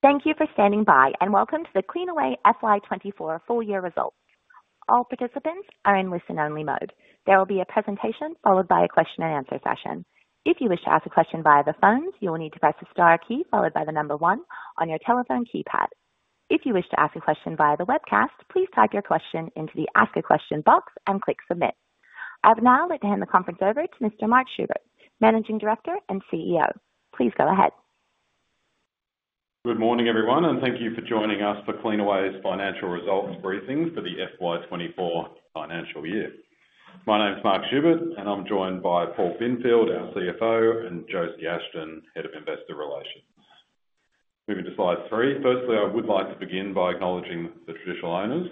Thank you for standing by, and welcome to the Cleanaway FY 2024 full year results. All participants are in listen-only mode. There will be a presentation followed by a question and answer session. If you wish to ask a question via the phone, you will need to press the star key followed by the number one on your telephone keypad. If you wish to ask a question via the webcast, please type your question into the Ask a Question box and click Submit. I'd now like to hand the conference over to Mr. Mark Schubert, Managing Director and CEO. Please go ahead. Good morning, everyone, and thank you for joining us for Cleanaway's financial results briefing for the FY 2024 financial year. My name is Mark Schubert, and I'm joined by Paul Binfield, our CFO, and Josie Ashton, Head of Investor Relations. Moving to Slide 3. Firstly, I would like to begin by acknowledging the traditional owners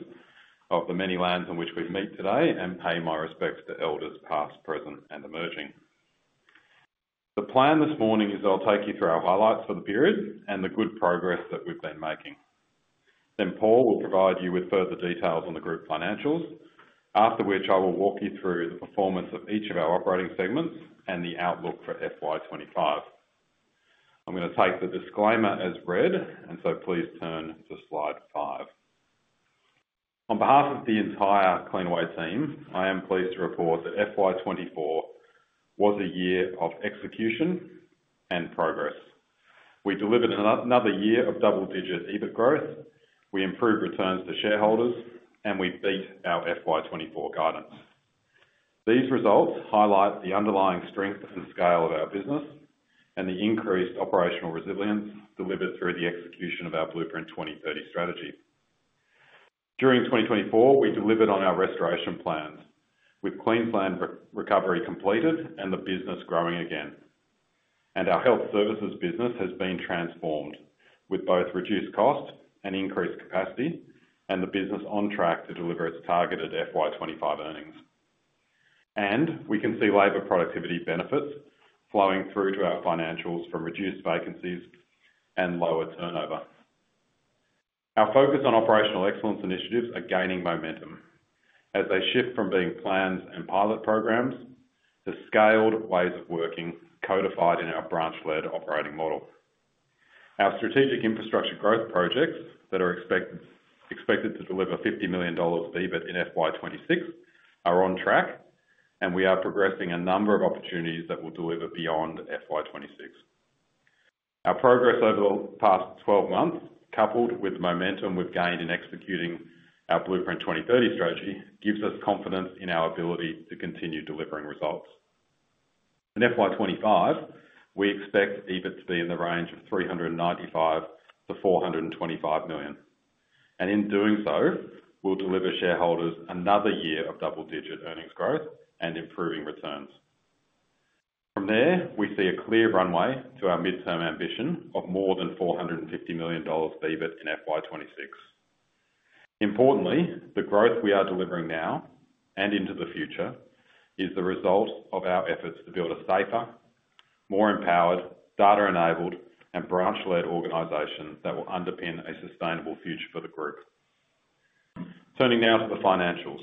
of the many lands on which we meet today and pay my respects to elders, past, present, and emerging. The plan this morning is I'll take you through our highlights for the period and the good progress that we've been making. Then Paul will provide you with further details on the group financials. After which, I will walk you through the performance of each of our operating segments and the outlook for FY 2025. I'm gonna take the disclaimer as read, and so please turn to Slide 5. On behalf of the entire Cleanaway team, I am pleased to report that FY 2024 was a year of execution and progress. We delivered another year of double-digit EBIT growth, we improved returns to shareholders, and we beat our FY 2024 guidance. These results highlight the underlying strength and scale of our business and the increased operational resilience delivered through the execution of our Blueprint 2030 strategy. During 2024, we delivered on our restoration plans with Queensland recovery completed and the business growing again, and our Health Services business has been transformed with both reduced cost and increased capacity, and the business on track to deliver its targeted FY 2025 earnings. We can see labor productivity benefits flowing through to our financials from reduced vacancies and lower turnover. Our focus on operational excellence initiatives are gaining momentum as they shift from being plans and pilot programs to scaled ways of working, codified in our branch-led operating model. Our strategic infrastructure growth projects that are expected to deliver 50 million dollars EBIT in FY 2026 are on track, and we are progressing a number of opportunities that will deliver beyond FY 2026. Our progress over the past 12 months, coupled with momentum we've gained in executing our Blueprint 2030 strategy, gives us confidence in our ability to continue delivering results. In FY 2025, we expect EBIT to be in the range of 395 million-425 million, and in doing so, we'll deliver shareholders another year of double-digit earnings growth and improving returns. From there, we see a clear runway to our midterm ambition of more than 450 million dollars EBIT in FY 2026. Importantly, the growth we are delivering now and into the future is the result of our efforts to build a safer, more empowered, data-enabled, and branch-led organization that will underpin a sustainable future for the group. Turning now to the financials.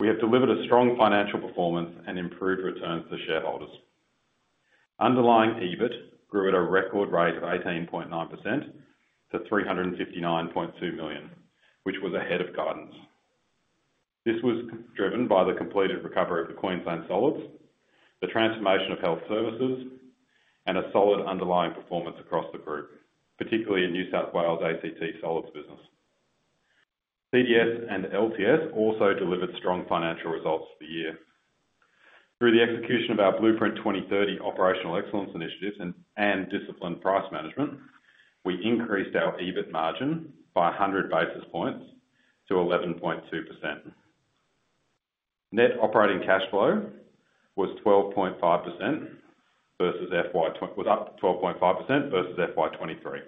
We have delivered a strong financial performance and improved returns to shareholders. Underlying EBIT grew at a record rate of 18.9% to 359.2 million, which was ahead of guidance. This was driven by the completed recovery of the Queensland Solids, the transformation of Health Services, and a solid underlying performance across the group, particularly in New South Wales, ACT Solids business. CDS and LTS also delivered strong financial results for the year. Through the execution of our Blueprint 2030 operational excellence initiatives and disciplined price management, we increased our EBIT margin by 100 basis points to 11.2%. Net operating cash flow was up 12.5% versus FY 2023,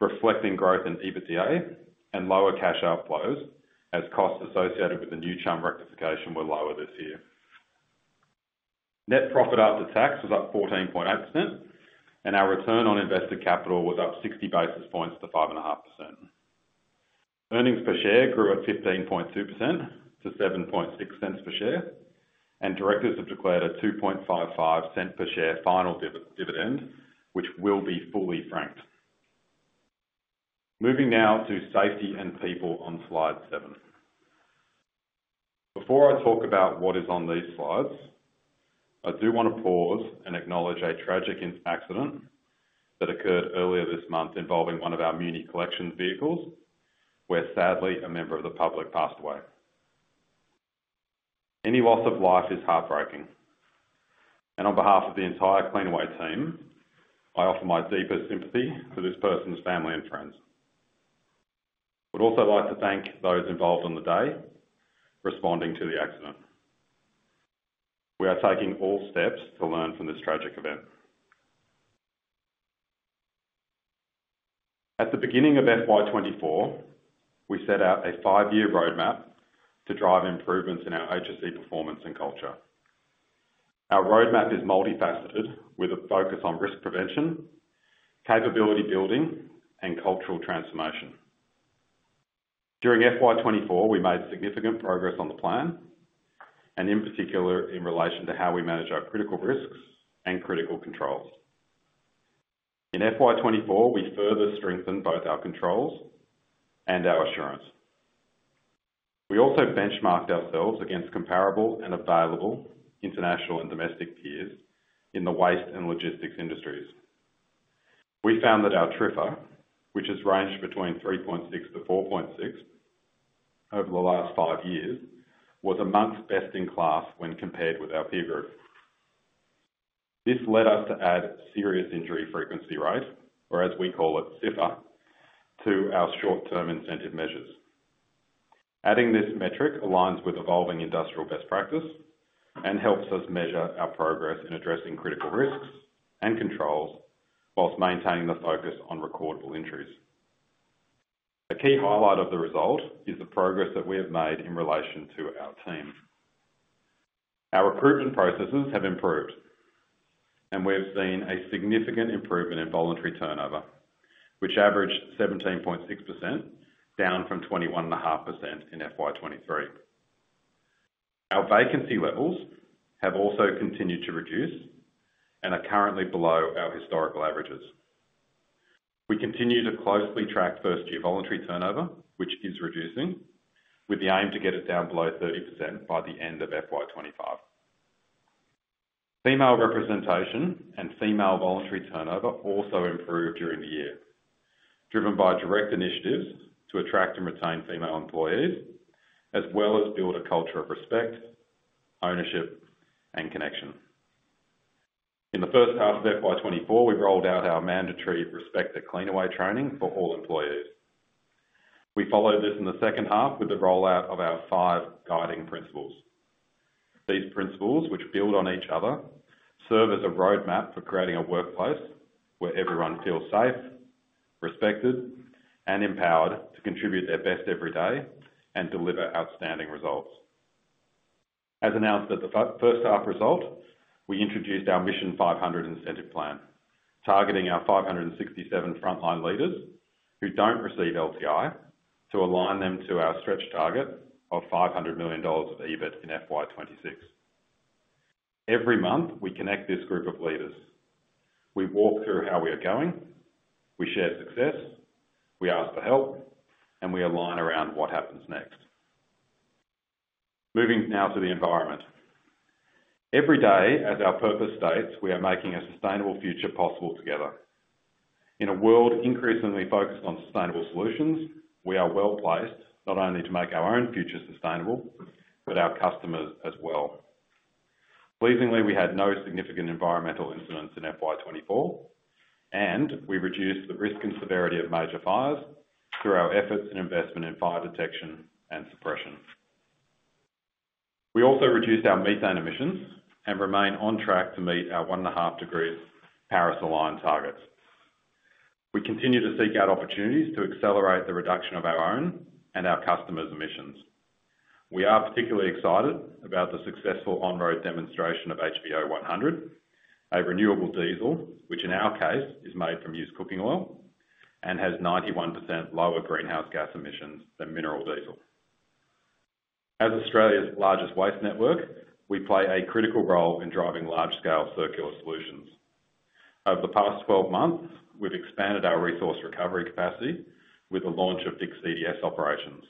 reflecting growth in EBITDA and lower cash outflows as costs associated with the New Chum rectification were lower this year. Net profit after tax was up 14.8%, and our return on invested capital was up 60 basis points to 5.5%. Earnings per share grew 15.2% to 0.076 per share, and directors have declared a $0.0255 per share final dividend, which will be fully franked. Moving now to safety and people on Slide 7. Before I talk about what is on these slides, I do want to pause and acknowledge a tragic accident that occurred earlier this month involving one of our muni collection vehicles, where sadly, a member of the public passed away. Any loss of life is heartbreaking, and on behalf of the entire Cleanaway team, I offer my deepest sympathy to this person's family and friends. I would also like to thank those involved on the day responding to the accident. We are taking all steps to learn from this tragic event. At the beginning of FY 2024, we set out a five-year roadmap to drive improvements in our HSE performance and culture. Our roadmap is multifaceted, with a focus on risk prevention, capability building, and cultural transformation. During FY 2024, we made significant progress on the plan, and in particular, in relation to how we manage our critical risks and critical controls. In FY 2024, we further strengthened both our controls and our assurance. We also benchmarked ourselves against comparable and available international and domestic peers in the waste and logistics industries. We found that our TRIFR, which has ranged between 3.6-4.6 over the last five years, was among best in class when compared with our peer group. This led us to add serious injury frequency rate, or as we call it, SIFR, to our short-term incentive measures. Adding this metric aligns with evolving industrial best practice and helps us measure our progress in addressing critical risks and controls, while maintaining the focus on recordable injuries. A key highlight of the result is the progress that we have made in relation to our team. Our recruitment processes have improved, and we've seen a significant improvement in voluntary turnover, which averaged 17.6%, down from 21.5% in FY 2023. Our vacancy levels have also continued to reduce and are currently below our historical averages. We continue to closely track first-year voluntary turnover, which is reducing, with the aim to get it down below 30% by the end of FY 2025. Female representation and female voluntary turnover also improved during the year, driven by direct initiatives to attract and retain female employees, as well as build a culture of respect, ownership, and connection. In the first half of FY 2024, we rolled out our mandatory Respect at Cleanaway training for all employees. We followed this in the second half with the rollout of our five guiding principles. These principles, which build on each other, serve as a roadmap for creating a workplace where everyone feels safe, respected, and empowered to contribute their best every day and deliver outstanding results. As announced at the first half result, we introduced our Mission 500 Incentive Plan, targeting our 567 frontline leaders who don't receive LTI to align them to our stretch target of 500 million dollars of EBIT in FY 2026. Every month, we connect this group of leaders. We walk through how we are going, we share success, we ask for help, and we align around what happens next. Moving now to the environment. Every day, as our purpose states, we are making a sustainable future possible together. In a world increasingly focused on sustainable solutions, we are well-placed not only to make our own future sustainable, but our customers as well. Pleasingly, we had no significant environmental incidents in FY 2024, and we reduced the risk and severity of major fires through our efforts and investment in fire detection and suppression. We also reduced our methane emissions and remain on track to meet our one and a half degrees Paris aligned targets. We continue to seek out opportunities to accelerate the reduction of our own and our customers' emissions. We are particularly excited about the successful on-road demonstration of HVO100, a renewable diesel, which in our case is made from used cooking oil and has 91% lower greenhouse gas emissions than mineral diesel. As Australia's largest waste network, we play a critical role in driving large-scale circular solutions. Over the past 12 months, we've expanded our resource recovery capacity with the launch of the CDS operations.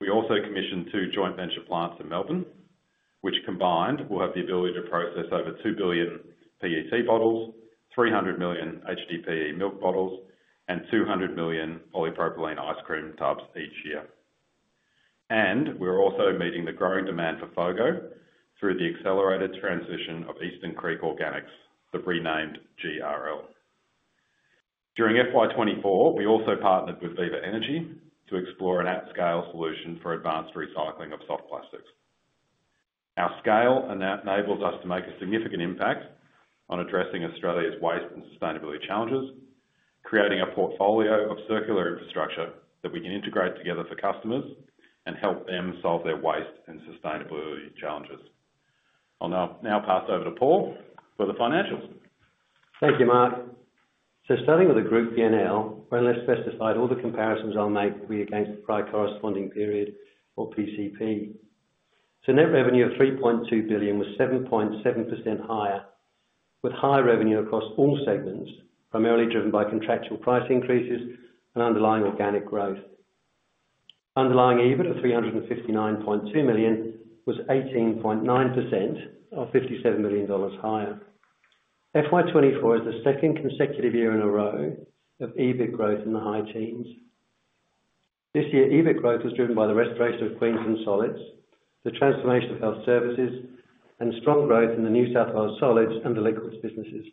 We also commissioned two joint venture plants in Melbourne, which combined, will have the ability to process over 2 billion PET bottles, three hundred million HDPE milk bottles, and 200 million polypropylene ice cream tubs each year. We're also meeting the growing demand for FOGO through the accelerated transition of Eastern Creek Organics, the renamed GRL. During FY 2024, we also partnered with Viva Energy to explore an at-scale solution for advanced recycling of soft plastics. Our scale enables us to make a significant impact on addressing Australia's waste and sustainability challenges, creating a portfolio of circular infrastructure that we can integrate together for customers and help them solve their waste and sustainability challenges. I'll now pass over to Paul for the financials. Thank you, Mark. So starting with the group PNL, when less specified, all the comparisons I'll make will be against the prior corresponding period or PCP. So net revenue of 3.2 billion was 7.7% higher, with higher revenue across all segments, primarily driven by contractual price increases and underlying organic growth. Underlying EBIT of 359.2 million was 18.9%, or 57 million dollars higher. FY 2024 is the second consecutive year in a row of EBIT growth in the high teens. This year, EBIT growth was driven by the restoration of Queensland Solids, the transformation of Health Services, and strong growth in the New South Wales Solids and Liquids businesses.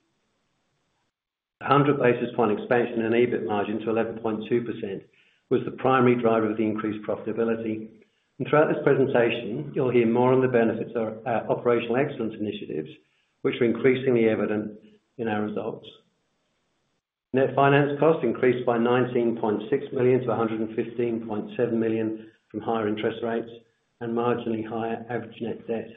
100 basis point expansion in EBIT margin to 11.2% was the primary driver of the increased profitability. And throughout this presentation, you'll hear more on the benefits of our operational excellence initiatives, which are increasingly evident in our results. Net finance costs increased by 19.6 million to 115.7 million from higher interest rates and marginally higher average net debt.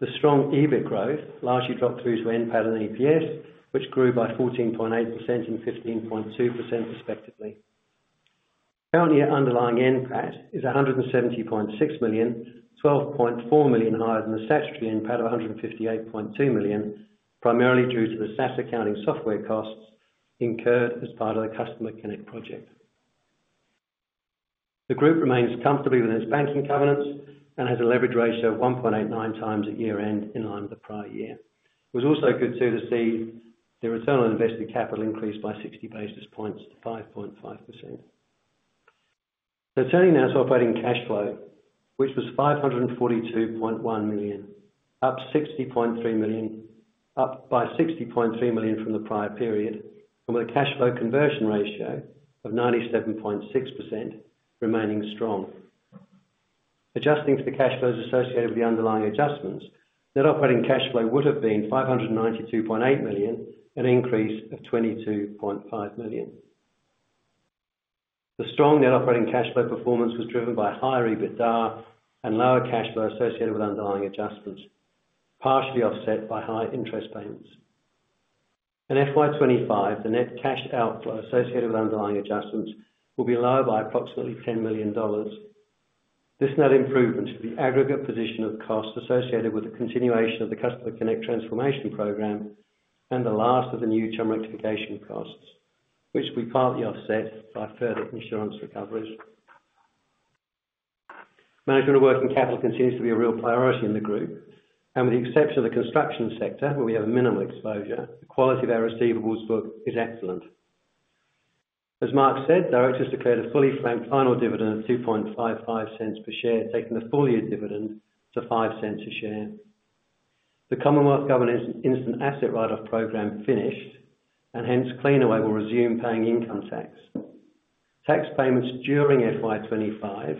The strong EBIT growth largely dropped through to NPAT and EPS, which grew by 14.8% and 15.2% respectively. Currently, our underlying NPAT is 170.6 million, 12.4 million higher than the statutory NPAT of 158.2 million, primarily due to the SaaS accounting software costs incurred as part of the Customer Connect project. The group remains comfortably with its banking covenants and has a leverage ratio of 1.89 times at year-end, in line with the prior year. It was also good to see the return on invested capital increase by 60 basis points to 5.5%. Turning now to operating cash flow, which was 542.1 million, up 60.3 million, up by 60.3 million from the prior period, and with a cash flow conversion ratio of 97.6% remaining strong. Adjusting for the cash flows associated with the underlying adjustments, net operating cash flow would have been 592.8 million, an increase of 22.5 million. The strong net operating cash flow performance was driven by higher EBITDA and lower cash flow associated with underlying adjustments, partially offset by higher interest payments. In FY 2025, the net cash outflow associated with underlying adjustments will be lower by approximately 10 million dollars. This net improvement is the aggregate position of costs associated with the continuation of the Customer Connect transformation program and the last of the New Chum rectification costs, which we partly offset by further insurance recoveries. Management of working capital continues to be a real priority in the group, and with the exception of the construction sector, where we have a minimal exposure, the quality of our receivables book is excellent. As Mark said, directors declared a fully franked final dividend of 0.0255 per share, taking the full year dividend to 0.05 a share. The Commonwealth Government Instant Asset Write-Off program finished, and hence, Cleanaway will resume paying income tax. Tax payments during FY 2025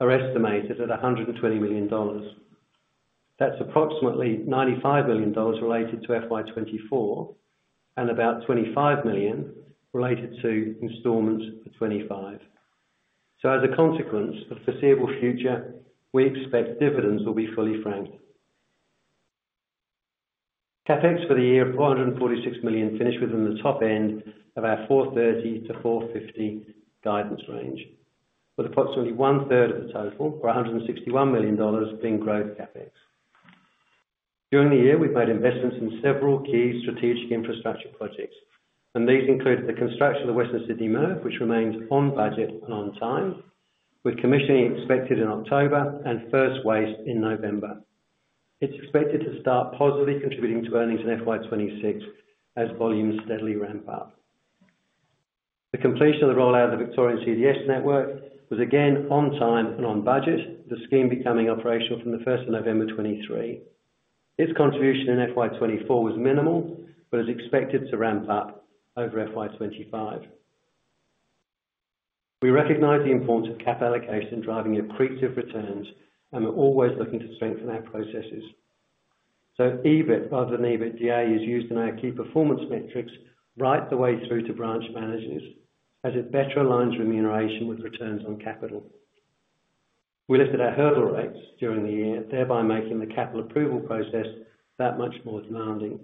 are estimated at 120 million dollars. That's approximately 95 million dollars related to FY 2024, and about 25 million related to installments for 2025. So as a consequence, for the foreseeable future, we expect dividends will be fully franked. CapEx for the year of 446 million finished within the top end of our 430 million to 450 million guidance range, with approximately one-third of the total, or AUD 161 million, being growth CapEx. During the year, we've made investments in several key strategic infrastructure projects, and these include the construction of the Western Sydney MRF, which remains on budget and on time, with commissioning expected in October and first waste in November. It's expected to start positively contributing to earnings in FY 2026 as volumes steadily ramp up. The completion of the rollout of the Victorian CDS network was again on time and on budget, the scheme becoming operational from the first of November 2023. Its contribution in FY 2024 was minimal but is expected to ramp up over FY 2025. We recognize the importance of cap allocation driving accretive returns, and we're always looking to strengthen our processes. So EBIT, rather than EBITDA, is used in our key performance metrics right the way through to branch managers, as it better aligns remuneration with returns on capital. We lifted our hurdle rates during the year, thereby making the capital approval process that much more demanding.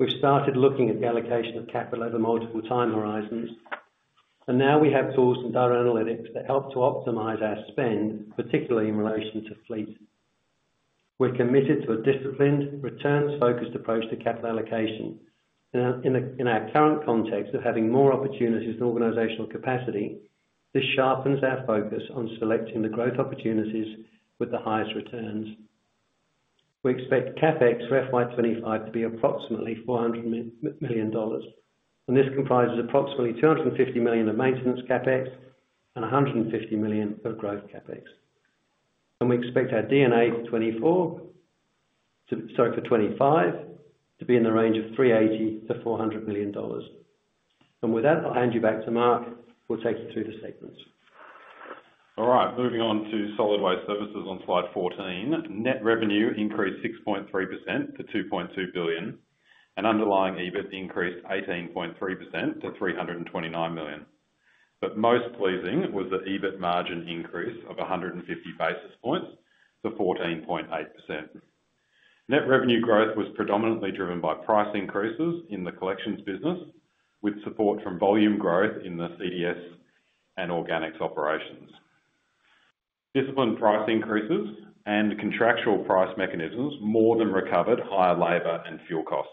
We've started looking at the allocation of capital over multiple time horizons, and now we have tools and data analytics that help to optimize our spend, particularly in relation to fleet. We're committed to a disciplined, returns-focused approach to capital allocation. In our, in our current context of having more opportunities and organizational capacity, this sharpens our focus on selecting the growth opportunities with the highest returns. We expect CapEx for FY 2025 to be approximately 400 million dollars, and this comprises approximately 250 million of maintenance CapEx and 150 million for growth CapEx. We expect our D&A 2025 to... Sorry, for 2025, to be in the range of 380 million-400 million dollars. With that, I'll hand you back to Mark, who will take you through the statements. All right, moving on to Solid Waste Services on Slide 14. Net revenue increased 6.3% to 2.2 billion, and underlying EBIT increased 18.3% to 329 million. But most pleasing was the EBIT margin increase of 150 basis points to 14.8%. Net revenue growth was predominantly driven by price increases in the collections business, with support from volume growth in the CDS and Organics operations. Disciplined price increases and contractual price mechanisms more than recovered higher labor and fuel costs.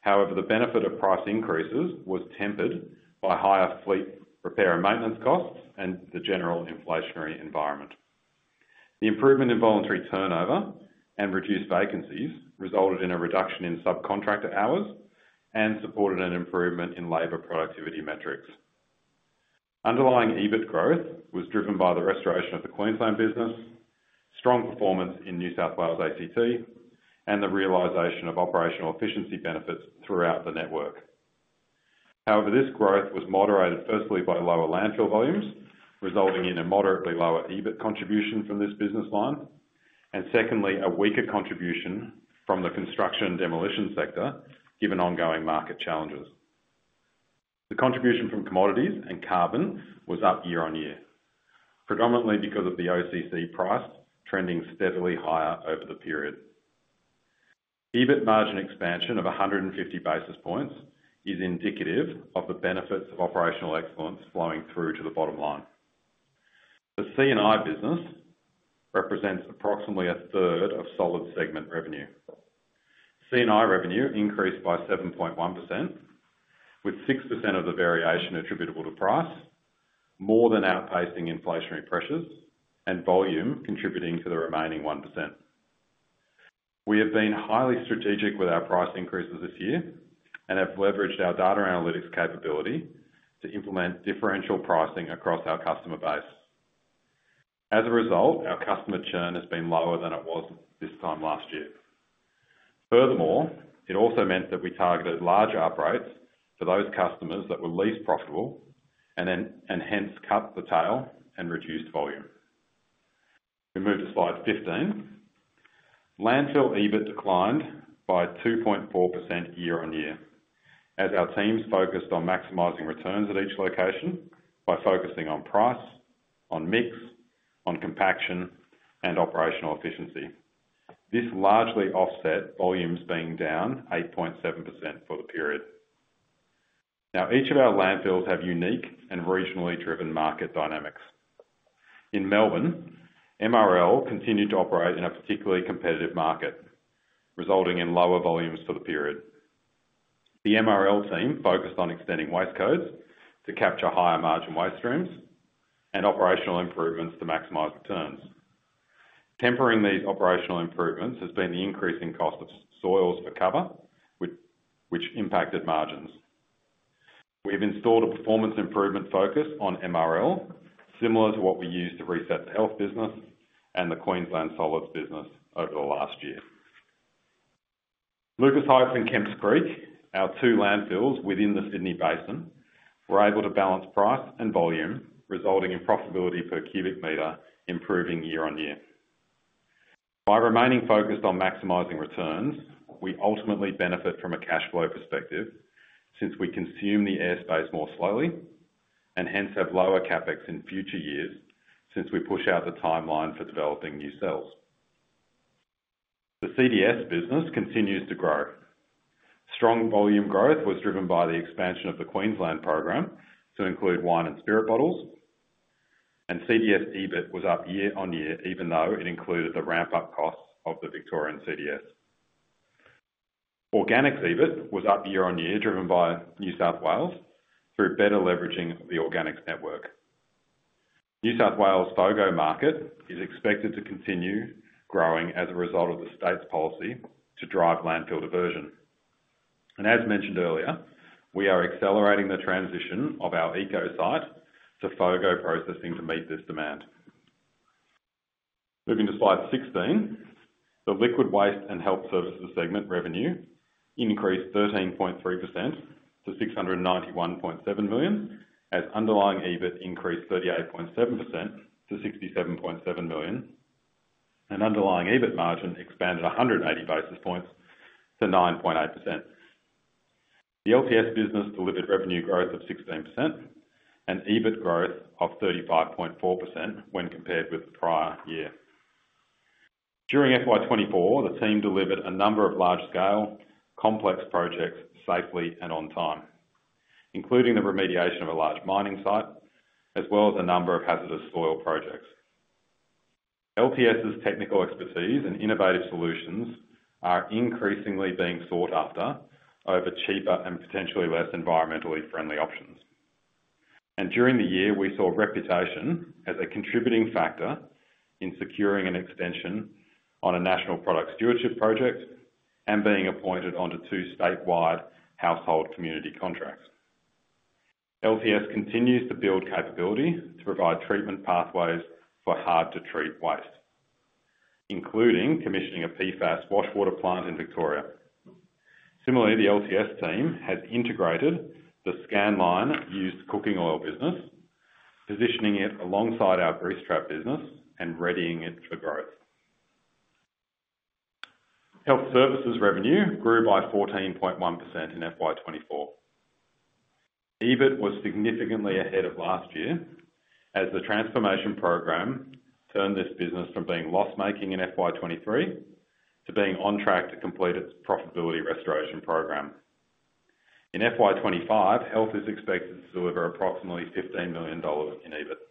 However, the benefit of price increases was tempered by higher fleet repair and maintenance costs and the general inflationary environment. The improvement in voluntary turnover and reduced vacancies resulted in a reduction in subcontractor hours and supported an improvement in labor productivity metrics. Underlying EBIT growth was driven by the restoration of the Queensland business, strong performance in New South Wales, ACT, and the realization of operational efficiency benefits throughout the network. However, this growth was moderated, firstly, by lower landfill volumes, resulting in a moderately lower EBIT contribution from this business line, and secondly, a weaker contribution from the construction and demolition sector, given ongoing market challenges. The contribution from commodities and carbon was up year-on-year, predominantly because of the OCC price trending steadily higher over the period. EBIT margin expansion of 150 basis points is indicative of the benefits of operational excellence flowing through to the bottom line. The C&I business represents approximately a third of solid segment revenue. C&I revenue increased by 7.1%, with 6% of the variation attributable to price, more than outpacing inflationary pressures and volume contributing to the remaining 1%. We have been highly strategic with our price increases this year, and have leveraged our data analytics capability to implement differential pricing across our customer base. As a result, our customer churn has been lower than it was this time last year. Furthermore, it also meant that we targeted large uprates for those customers that were least profitable and hence cut the tail and reduced volume. We move to Slide 15. Landfill EBIT declined by 2.4% year-on-year, as our teams focused on maximizing returns at each location by focusing on price, on mix, on compaction, and operational efficiency. This largely offset volumes being down 8.7% for the period. Now, each of our landfills have unique and regionally driven market dynamics. In Melbourne, MRL continued to operate in a particularly competitive market, resulting in lower volumes for the period. The MRL team focused on extending waste codes to capture higher margin waste streams and operational improvements to maximize returns. Tempering these operational improvements has been the increasing cost of soils for cover, which impacted margins. We have installed a performance improvement focus on MRL, similar to what we used to reset the health business and the Queensland Solids business over the last year. Lucas Heights and Kemps Creek, our two landfills within the Sydney Basin, were able to balance price and volume, resulting in profitability per cubic meter improving year-on-year. By remaining focused on maximizing returns, we ultimately benefit from a cash flow perspective, since we consume the airspace more slowly and hence have lower CapEx in future years, since we push out the timeline for developing new cells. The CDS business continues to grow. Strong volume growth was driven by the expansion of the Queensland program to include wine and spirit bottles, and CDS EBIT was up year-on-year, even though it included the ramp-up costs of the Victorian CDS. Organics EBIT was up year-on-year, driven by New South Wales through better leveraging of the organics network. New South Wales FOGO market is expected to continue growing as a result of the state's policy to drive landfill diversion. And as mentioned earlier, we are accelerating the transition of our ECO site to FOGO processing to meet this demand. Moving to Slide 16, the Liquid Waste and Health Services segment revenue increased 13.3% to 691.7 million, as underlying EBIT increased 38.7% to 67.7 million, and underlying EBIT margin expanded 180 basis points to 9.8%. The LTS business delivered revenue growth of 16% and EBIT growth of 35.4% when compared with the prior year. During FY 2024, the team delivered a number of large scale, complex projects safely and on time, including the remediation of a large mining site, as well as a number of hazardous soil projects. LTS's technical expertise and innovative solutions are increasingly being sought after over cheaper and potentially less environmentally friendly options, and during the year, we saw reputation as a contributing factor in securing an extension on a national product stewardship project and being appointed onto two statewide household community contracts. LTS continues to build capability to provide treatment pathways for hard-to-treat waste, including commissioning a PFAS wash water plant in Victoria. Similarly, the LTS team has integrated the Scanline used cooking oil business, positioning it alongside our grease trap business and readying it for growth. Health services revenue grew by 14.1% in FY 2024. EBIT was significantly ahead of last year, as the transformation program turned this business from being loss-making in FY 2023 to being on track to complete its profitability restoration program. In FY 2025, health is expected to deliver approximately 15 million dollars in EBIT.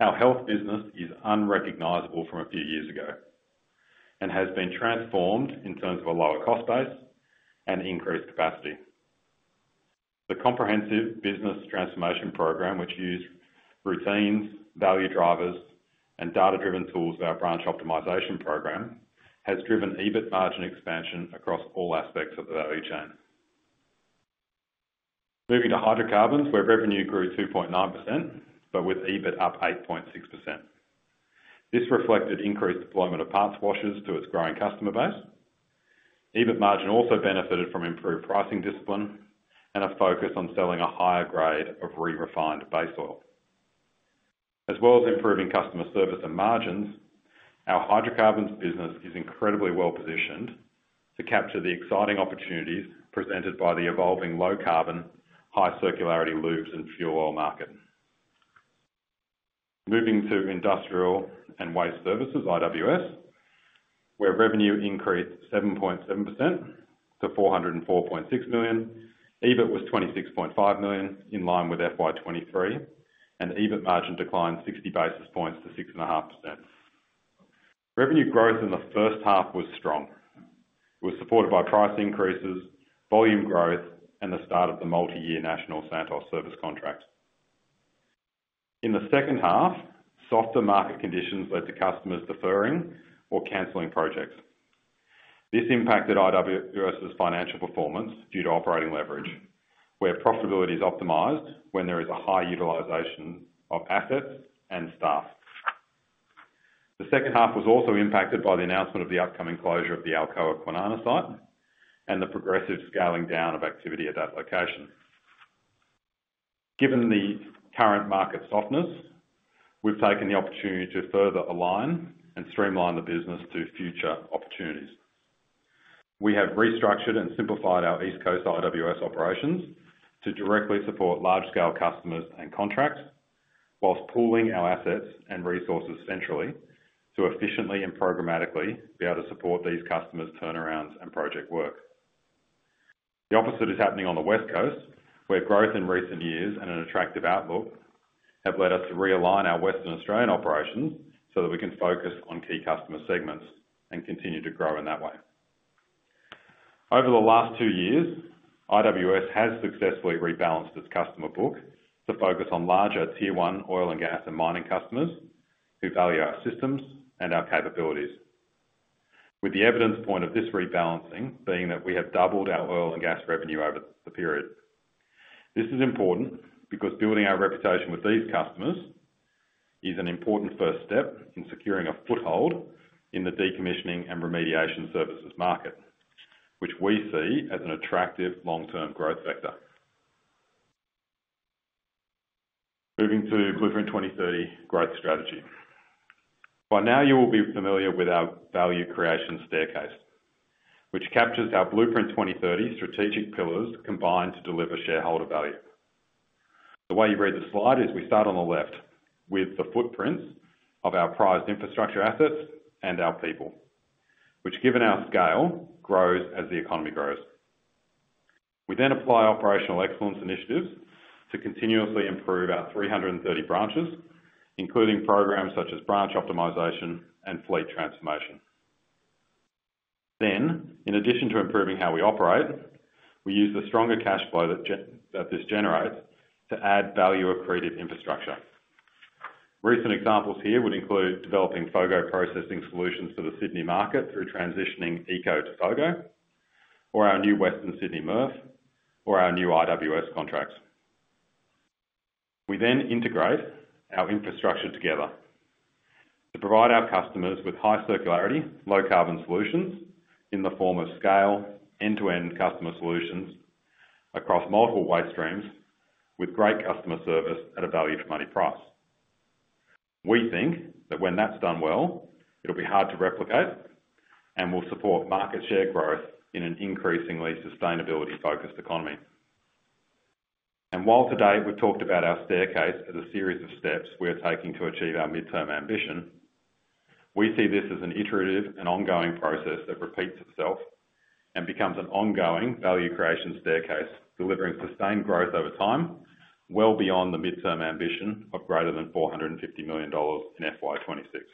Our health business is unrecognizable from a few years ago, and has been transformed in terms of a lower cost base and increased capacity. The comprehensive business transformation program, which used routines, value drivers, and data-driven tools to our branch optimization program, has driven EBIT margin expansion across all aspects of the value chain. Moving to Hydrocarbons, where revenue grew 2.9%, but with EBIT up 8.6%. This reflected increased deployment of parts washers to its growing customer base. EBIT margin also benefited from improved pricing discipline and a focus on selling a higher grade of re-refined base oil. As well as improving customer service and margins, our Hydrocarbons business is incredibly well-positioned to capture the exciting opportunities presented by the evolving low carbon, high circularity lubes and fuel oil market. Moving to Industrial and Waste Services, IWS, where revenue increased 7.7% to 404.6 million. EBIT was 26.5 million, in line with FY 2023, and the EBIT margin declined 60 basis points to 6.5%. Revenue growth in the first half was strong. It was supported by price increases, volume growth, and the start of the multi-year national Santos service contract. In the second half, softer market conditions led to customers deferring or canceling projects. This impacted IWS's financial performance due to operating leverage, where profitability is optimized when there is a high utilization of assets and staff. The second half was also impacted by the announcement of the upcoming closure of the Alcoa Kwinana site and the progressive scaling down of activity at that location. Given the current market softness, we've taken the opportunity to further align and streamline the business to future opportunities. We have restructured and simplified our East Coast IWS operations to directly support large-scale customers and contracts, while pooling our assets and resources centrally to efficiently and programmatically be able to support these customers' turnarounds and project work. The opposite is happening on the West Coast, where growth in recent years and an attractive outlook have led us to realign our Western Australian operations so that we can focus on key customer segments and continue to grow in that way. Over the last two years, IWS has successfully rebalanced its customer book to focus on larger Tier One oil and gas, and mining customers who value our systems and our capabilities. With the evident point of this rebalancing being that we have doubled our oil and gas revenue over the period. This is important because building our reputation with these customers is an important first step in securing a foothold in the decommissioning and remediation services market, which we see as an attractive long-term growth sector. Moving to Blueprint 2030 growth strategy. By now, you will be familiar with our value creation staircase, which captures our Blueprint 2030 strategic pillars combined to deliver shareholder value. The way you read the slide is we start on the left with the footprints of our prized infrastructure assets and our people, which, given our scale, grows as the economy grows. We then apply operational excellence initiatives to continuously improve our three hundred and thirty branches, including programs such as branch optimization and fleet transformation. Then, in addition to improving how we operate, we use the stronger cash flow that this generates to add value accreted infrastructure. Recent examples here would include developing FOGO processing solutions for the Sydney market through transitioning ECO to FOGO, or our new Western Sydney MRF, or our new IWS contracts. We then integrate our infrastructure together to provide our customers with high circularity, low carbon solutions in the form of scale, end-to-end customer solutions across multiple waste streams, with great customer service at a value for money price. We think that when that's done well, it'll be hard to replicate and will support market share growth in an increasingly sustainability-focused economy. While today we've talked about our staircase as a series of steps we are taking to achieve our midterm ambition, we see this as an iterative and ongoing process that repeats itself and becomes an ongoing value creation staircase, delivering sustained growth over time, well beyond the midterm ambition of greater than 450 million dollars in FY 2026.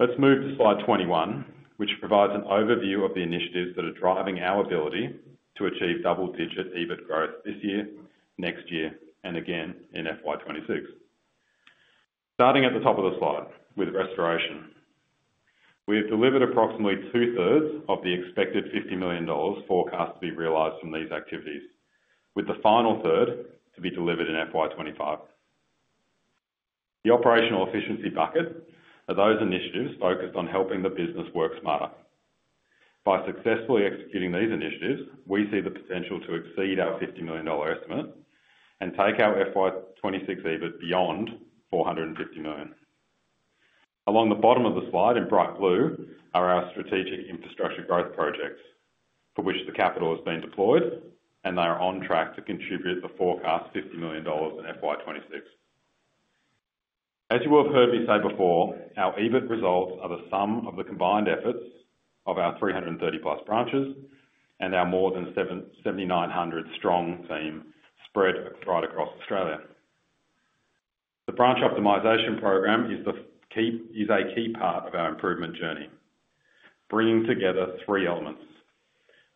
Let's move to Slide 21, which provides an overview of the initiatives that are driving our ability to achieve double-digit EBIT growth this year, next year, and again in FY 2026. Starting at the top of the slide, with restoration. We have delivered approximately two-thirds of the expected 50 million dollars forecast to be realized from these activities, with the final third to be delivered in FY 2025. The operational efficiency bucket are those initiatives focused on helping the business work smarter. By successfully executing these initiatives, we see the potential to exceed our 50 million dollar estimate and take our FY 2026 EBIT beyond 450 million. Along the bottom of the slide in bright blue are our strategic infrastructure growth projects, for which the capital has been deployed, and they are on track to contribute the forecast 50 million dollars in FY 2026. As you will have heard me say before, our EBIT results are the sum of the combined efforts of our 330+ branches and our more than 7,790-strong team spread right across Australia. The branch optimization program is a key part of our improvement journey, bringing together three elements.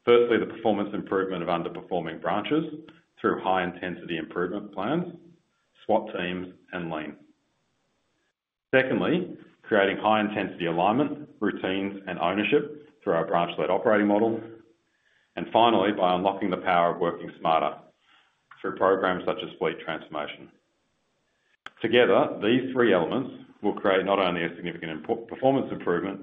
Firstly, the performance improvement of underperforming branches through high-intensity improvement plans, SWAT teams, and lean. Secondly, creating high-intensity alignment, routines, and ownership through our branch-led operating model. Finally, by unlocking the power of working smarter through programs such as fleet transformation. Together, these three elements will create not only a significant performance improvement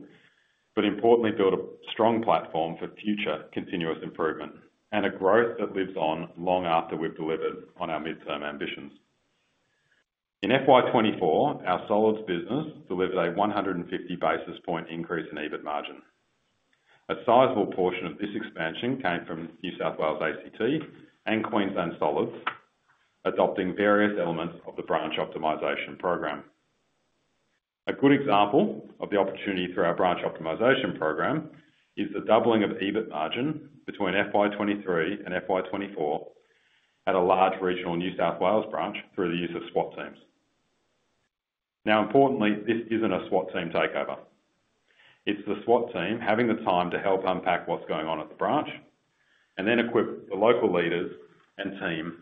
but importantly, build a strong platform for future continuous improvement and a growth that lives on long after we've delivered on our midterm ambitions. In FY 2024, our solids business delivered a 150 basis point increase in EBIT margin. A sizable portion of this expansion came from New South Wales, ACT, and Queensland Solids, adopting various elements of the branch optimization program. A good example of the opportunity through our branch optimization program is the doubling of EBIT margin between FY 2023 and FY 2024 at a large regional New South Wales branch through the use of SWAT teams. Now, importantly, this isn't a SWAT team takeover. It's the SWAT team having the time to help unpack what's going on at the branch and then equip the local leaders and team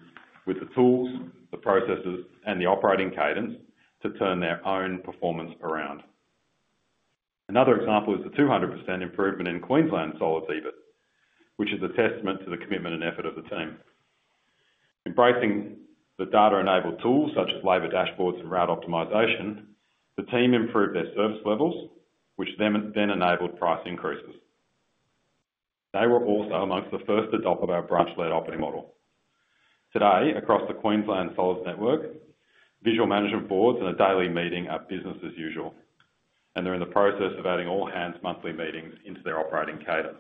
with the tools, the processes, and the operating cadence to turn their own performance around. Another example is the 200% improvement in Queensland Solids EBIT, which is a testament to the commitment and effort of the team. Embracing the data-enabled tools such as labor dashboards and route optimization, the team improved their service levels, which then enabled price increases. They were also amongst the first to adopt our branch-led operating model. Today, across the Queensland Solids network, visual management boards and a daily meeting are business as usual, and they're in the process of adding all hands monthly meetings into their operating cadence.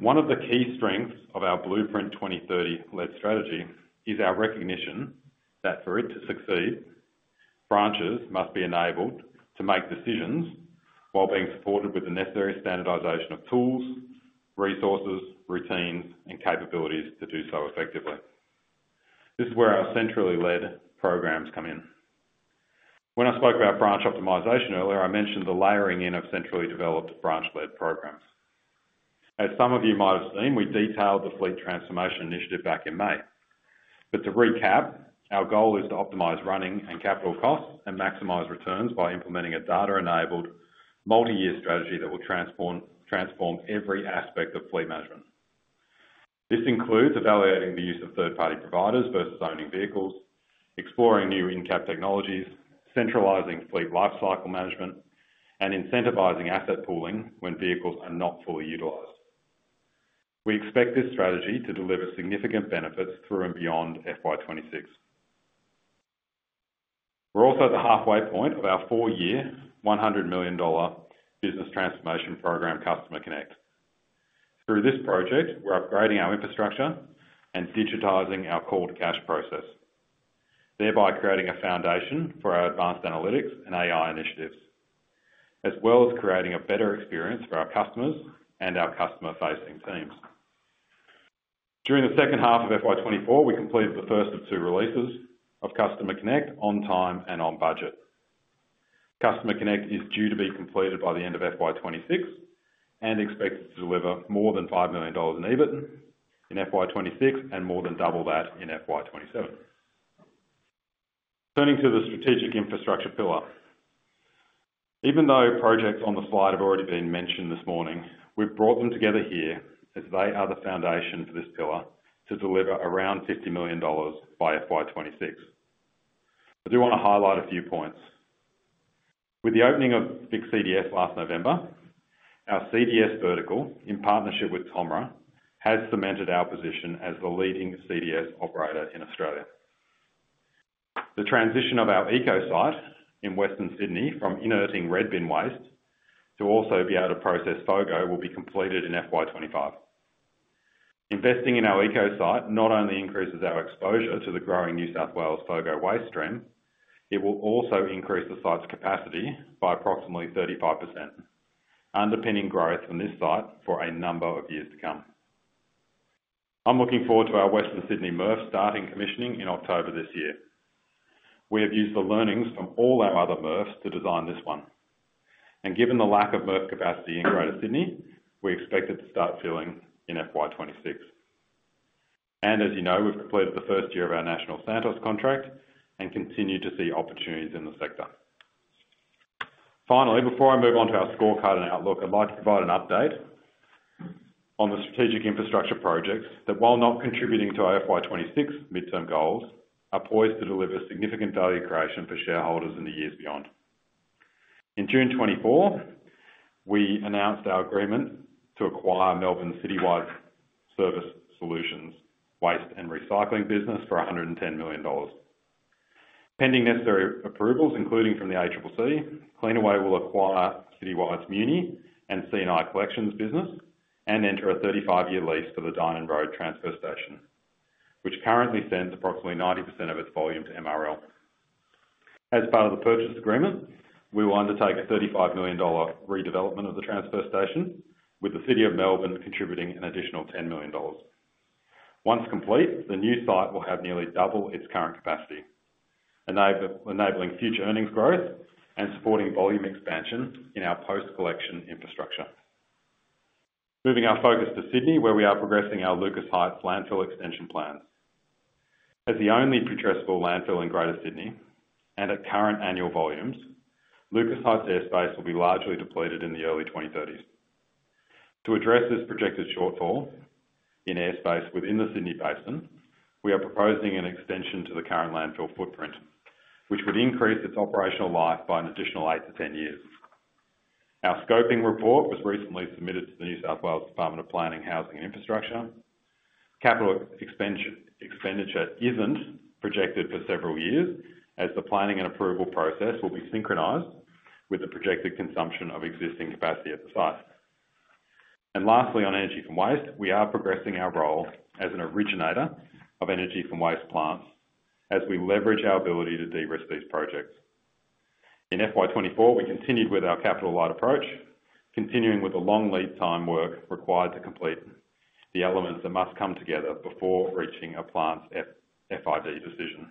One of the key strengths of our Blueprint 2030-led strategy is our recognition that for it to succeed, branches must be enabled to make decisions while being supported with the necessary standardization of tools, resources, routines, and capabilities to do so effectively. This is where our centrally led programs come in. When I spoke about branch optimization earlier, I mentioned the layering in of centrally developed branch-led programs. As some of you might have seen, we detailed the fleet transformation initiative back in May. But to recap, our goal is to optimize running and capital costs and maximize returns by implementing a data-enabled multi-year strategy that will transform every aspect of fleet management. This includes evaluating the use of third-party providers versus owning vehicles, exploring new in-cab technologies, centralizing fleet lifecycle management, and incentivizing asset pooling when vehicles are not fully utilized. We expect this strategy to deliver significant benefits through and beyond FY 2026. We're also at the halfway point of our four-year, 100 million dollar business transformation program, Customer Connect. Through this project, we're upgrading our infrastructure and digitizing our call to cash process, thereby creating a foundation for our advanced analytics and AI initiatives, as well as creating a better experience for our customers and our customer-facing teams. During the second half of FY 2024, we completed the first of two releases of Customer Connect on time and on budget. Customer Connect is due to be completed by the end of FY 2026 and expected to deliver more than 5 million dollars in EBIT in FY 2026, and more than double that in FY 2027. Turning to the strategic infrastructure pillar. Even though projects on the slide have already been mentioned this morning, we've brought them together here as they are the foundation for this pillar to deliver around 50 million dollars by FY 2026. I do want to highlight a few points. With the opening of Vic CDS last November, our CDS vertical, in partnership with Tomra, has cemented our position as the leading CDS operator in Australia. The transition of our ECO site in Western Sydney from diverting red bin waste to also be able to process FOGO, will be completed in FY 2025. Investing in our ECO site not only increases our exposure to the growing New South Wales FOGO waste stream, it will also increase the site's capacity by approximately 35%, underpinning growth from this site for a number of years to come. I'm looking forward to our Western Sydney MRF starting commissioning in October this year. We have used the learnings from all our other MRFs to design this one. And given the lack of MRF capacity in Greater Sydney, we expect it to start filling in FY 2026. And as you know, we've completed the first year of our National Santos contract and continue to see opportunities in the sector. Finally, before I move on to our scorecard and outlook, I'd like to provide an update on the strategic infrastructure projects that, while not contributing to our FY 2026 midterm goals, are poised to deliver significant value creation for shareholders in the years beyond. In June 2024, we announced our agreement to acquire Citywide Service Solutions' waste and recycling business for 110 million dollars. Pending necessary approvals, including from the ACCC, Cleanaway will acquire Citywide's Muni and C&I collections business and enter a 35-year lease for the Dynon Road Transfer Station, which currently sends approximately 90% of its volume to MRL. As part of the purchase agreement, we will undertake a 35 million dollar redevelopment of the transfer station, with the City of Melbourne contributing an additional 10 million dollars. Once complete, the new site will have nearly double its current capacity, enabling future earnings growth and supporting volume expansion in our post-collection infrastructure. Moving our focus to Sydney, where we are progressing our Lucas Heights landfill extension plan. As the only addressable landfill in Greater Sydney, and at current annual volumes, Lucas Heights airspace will be largely depleted in the early 2030s. To address this projected shortfall in airspace within the Sydney Basin, we are proposing an extension to the current landfill footprint, which would increase its operational life by an additional eight to ten years. Our scoping report was recently submitted to the New South Wales Department of Planning, Housing and Infrastructure. Capital expansion expenditure isn't projected for several years, as the planning and approval process will be synchronized with the projected consumption of existing capacity at the site. And lastly, on energy from waste, we are progressing our role as an originator of energy from waste plants as we leverage our ability to de-risk these projects. In FY 2024, we continued with our capital-light approach, continuing with the long lead time work required to complete the elements that must come together before reaching a plant's FID decision,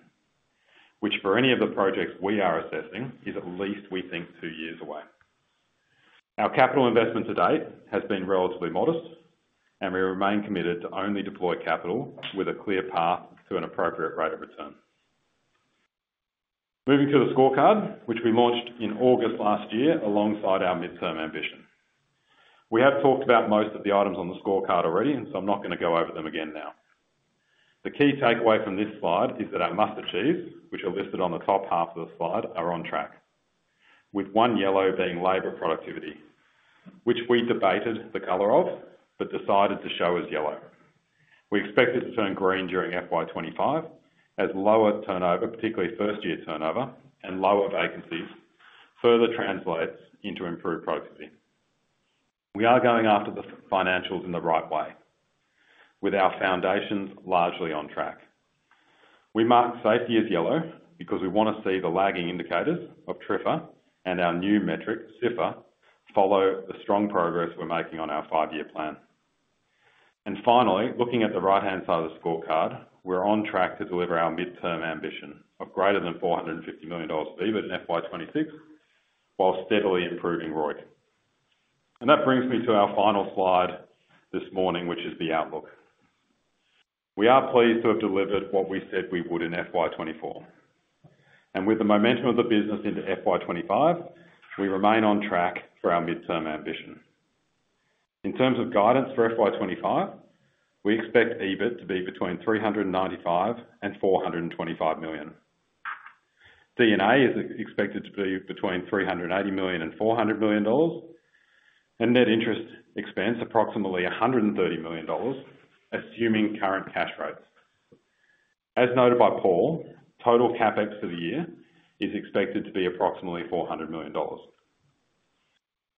which for any of the projects we are assessing, is at least we think, two years away. Our capital investment to date has been relatively modest, and we remain committed to only deploy capital with a clear path to an appropriate rate of return. Moving to the scorecard, which we launched in August last year alongside our midterm ambition. We have talked about most of the items on the scorecard already, and so I'm not going to go over them again now. The key takeaway from this slide is that our must achieves, which are listed on the top half of the slide, are on track, with one yellow being labor productivity, which we debated the color of, but decided to show as yellow. We expect it to turn green during FY 2025, as lower turnover, particularly first-year turnover and lower vacancies, further translates into improved productivity. We are going after the financials in the right way, with our foundations largely on track. We marked safety as yellow because we want to see the lagging indicators of TRIFR and our new metric, SIFR, follow the strong progress we're making on our five-year plan. And finally, looking at the right-hand side of the scorecard, we're on track to deliver our midterm ambition of greater than 450 million dollars EBIT in FY 2026, while steadily improving ROIC. That brings me to our final slide this morning, which is the outlook. We are pleased to have delivered what we said we would in FY 2024, and with the momentum of the business into FY 2025, we remain on track for our midterm ambition. In terms of guidance for FY 2025, we expect EBIT to be between 395 million and 425 million. D&A is expected to be between 380 million and 400 million dollars, and net interest expense, approximately 130 million dollars, assuming current cash rates. As noted by Paul, total CapEx for the year is expected to be approximately 400 million dollars.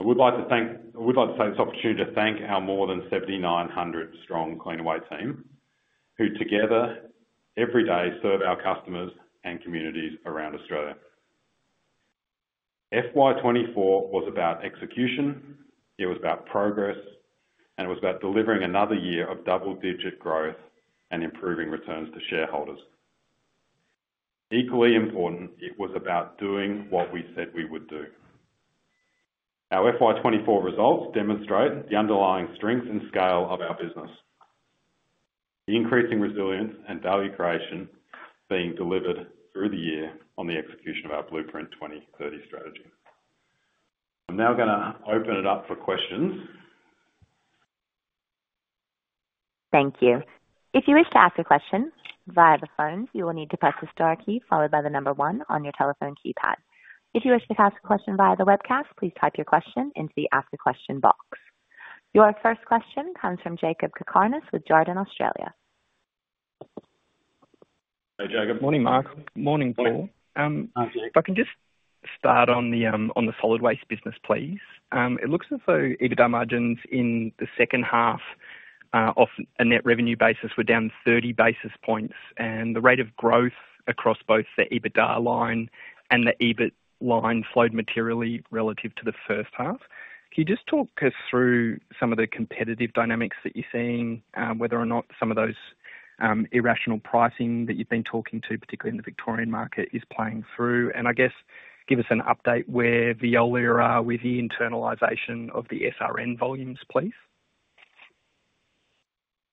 I would like to take this opportunity to thank our more than 7,900-strong Cleanaway team, who together, every day, serve our customers and communities around Australia. FY 2024 was about execution, it was about progress, and it was about delivering another year of double-digit growth and improving returns to shareholders. Equally important, it was about doing what we said we would do. Our FY 2024 results demonstrate the underlying strength and scale of our business, the increasing resilience and value creation being delivered through the year on the execution of our Blueprint 2030 strategy. I'm now gonna open it up for questions. Thank you. If you wish to ask a question via the phone, you will need to press the star key followed by the number one on your telephone keypad. If you wish to ask a question via the webcast, please type your question into the Ask a Question box. Your first question comes from Jakob Cakarnis with Jarden Australia. Hey, Jakob. Morning, Mark. Morning, Paul. Hi, Jake. If I can just start on the solid waste business, please. It looks as though EBITDA margins in the second half, off a net revenue basis, were down thirty basis points, and the rate of growth across both the EBITDA line and the EBIT line flowed materially relative to the first half. Can you just talk us through some of the competitive dynamics that you're seeing, whether or not some of those irrational pricing that you've been talking to, particularly in the Victorian market, is playing through? And I guess give us an update where Veolia are with the internalization of the SRN volumes, please.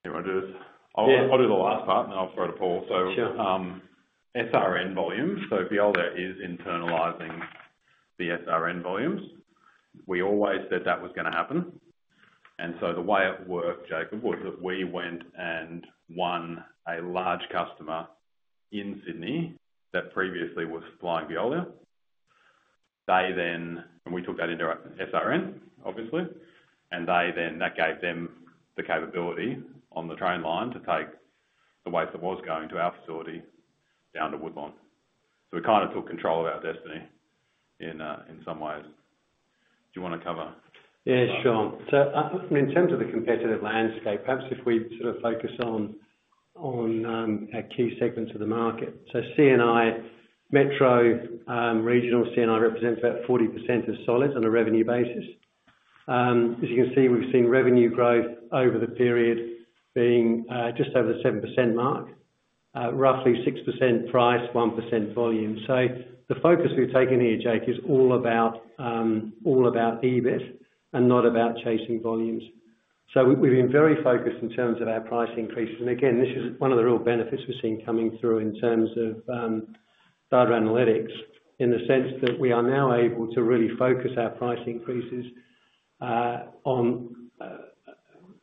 You want to do this? Yeah. I'll do the last part, and then I'll throw to Paul. Sure. SRN volumes. Veolia is internalizing the SRN volumes. We always said that was gonna happen, and so the way it worked, Jakob, was that we went and won a large customer in Sydney that previously was supplying Veolia. We took that into our SRN, obviously, and that gave them the capability on the train line to take the waste that was going to our facility down to Woodlawn. We kind of took control of our destiny in some ways. Do you want to cover? Yeah, sure. So, in terms of the competitive landscape, perhaps if we sort of focus on a key segment of the market. So C&I, metro, regional C&I represents about 40% of solids on a revenue basis. As you can see, we've seen revenue growth over the period being just over the 7% mark, roughly 6% price, 1% volume. So the focus we've taken here, Jake, is all about EBIT and not about chasing volumes. So we've been very focused in terms of our price increases. And again, this is one of the real benefits we've seen coming through in terms of data analytics, in the sense that we are now able to really focus our price increases on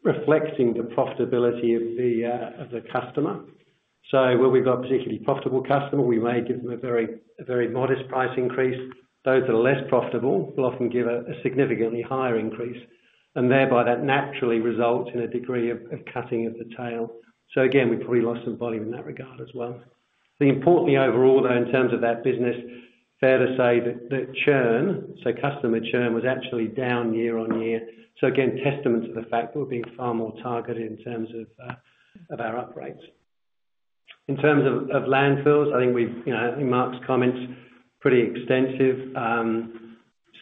reflecting the profitability of the customer. So where we've got a particularly profitable customer, we may give them a very modest price increase. Those that are less profitable, we'll often give a significantly higher increase, and thereby that naturally results in a degree of cutting of the tail. So again, we probably lost some volume in that regard as well. Importantly overall, though, in terms of that business, fair to say that churn, so customer churn, was actually down year on year. So again, testament to the fact we're being far more targeted in terms of our upgrades. In terms of landfills, I think we've, you know, I think Mark's comments pretty extensive.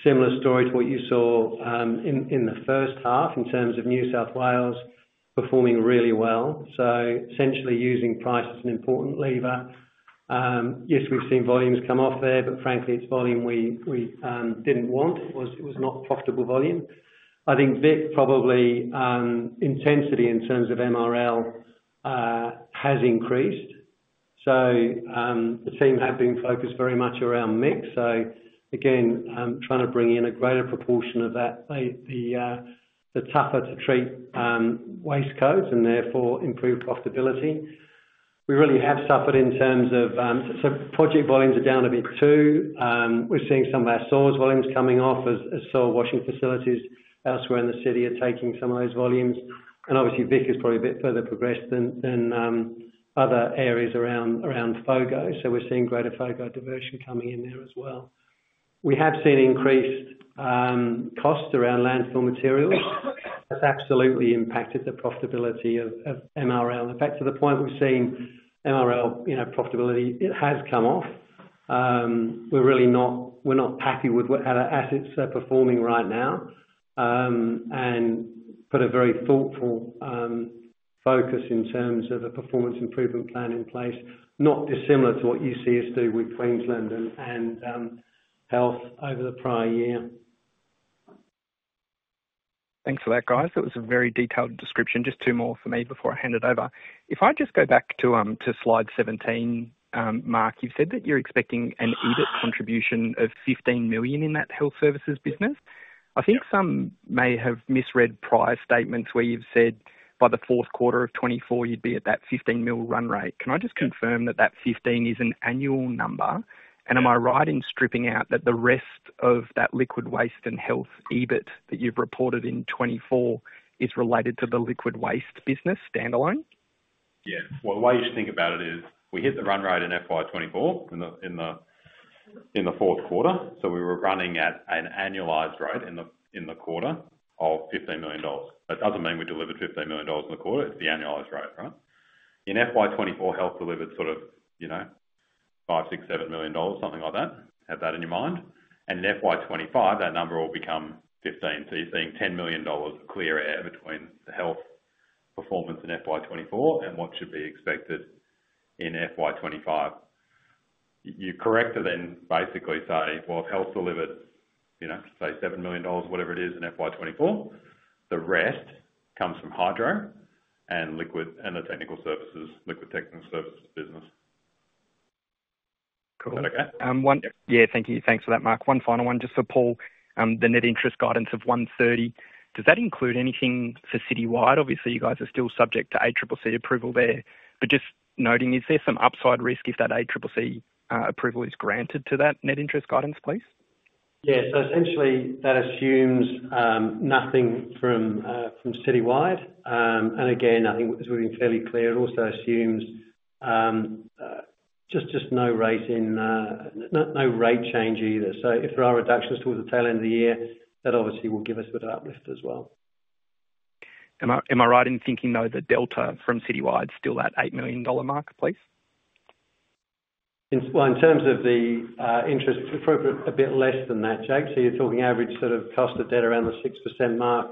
Similar story to what you saw in the first half in terms of New South Wales performing really well. So essentially using price as an important lever. Yes, we've seen volumes come off there, but frankly, it's volume we didn't want. It was not profitable volume. I think Vic probably intensity in terms of MRL has increased. So, the team have been focused very much around mix. So again, trying to bring in a greater proportion of that, the tougher to treat waste codes and therefore improve profitability. We really have suffered in terms of, so project volumes are down a bit, too. We're seeing some of our soils volumes coming off as store washing facilities elsewhere in the city are taking some of those volumes. And obviously, Vic is probably a bit further progressed than other areas around FOGO, so we're seeing greater FOGO diversion coming in there as well. We have seen increased costs around landfill materials. That's absolutely impacted the profitability of MRL. In fact, to the point we've seen MRL, you know, profitability, it has come off. We're really not happy with what our assets are performing right now, and put a very thoughtful focus in terms of a performance improvement plan in place, not dissimilar to what you see us do with Queensland and health over the prior year. Thanks for that, guys. That was a very detailed description. Just two more for me before I hand it over. If I just go back to Slide 17, Mark, you said that you're expecting an EBIT contribution of 15 million in that Health Services business? Yeah. I think some may have misread prior statements where you've said by the fourth quarter of 2024 you'd be at that 15 million run rate. Yeah. Can I just confirm that that fifteen is an annual number? Yeah. Am I right in stripping out that the rest of that liquid waste and health EBIT that you've reported in 2024 is related to the liquid waste business standalone? Yeah. Well, the way you should think about it is, we hit the run rate in FY 2024, in the fourth quarter, so we were running at an annualized rate in the quarter of 15 million dollars. That doesn't mean we delivered 15 million dollars in the quarter, it's the annualized rate, right? In FY 2024, health delivered sort of, you know, 5, 6, 7 million dollars, something like that. Have that in your mind. And in FY 2025, that number will become 15. So you're seeing 10 million dollars clear air between the health performance in FY 2024, and what should be expected in FY 2025. You're correct to then basically say, well, if health delivered, you know, say 7 million dollars, whatever it is, in FY 2024, the rest comes from hydro and liquid and the technical services, liquid technical services business. Cool. Is that okay? One- Yeah. Yeah, thank you. Thanks for that, Mark. One final one, just for Paul. The net interest guidance of 130, does that include anything for Citywide? Obviously, you guys are still subject to ACCC approval there. But just noting, is there some upside risk if that ACCC approval is granted to that net interest guidance, please? Yeah, so essentially, that assumes nothing from Citywide, and again, I think as we've been fairly clear, it also assumes just no rate increase, no rate change either, so if there are reductions towards the tail end of the year, that obviously will give us a bit of uplift as well. Am I, am I right in thinking, though, the delta from Citywide is still that 8 million dollar mark, please? Well, in terms of the interest rate, a bit less than that, Jake. So you're talking average sort of cost of debt around the 6% mark,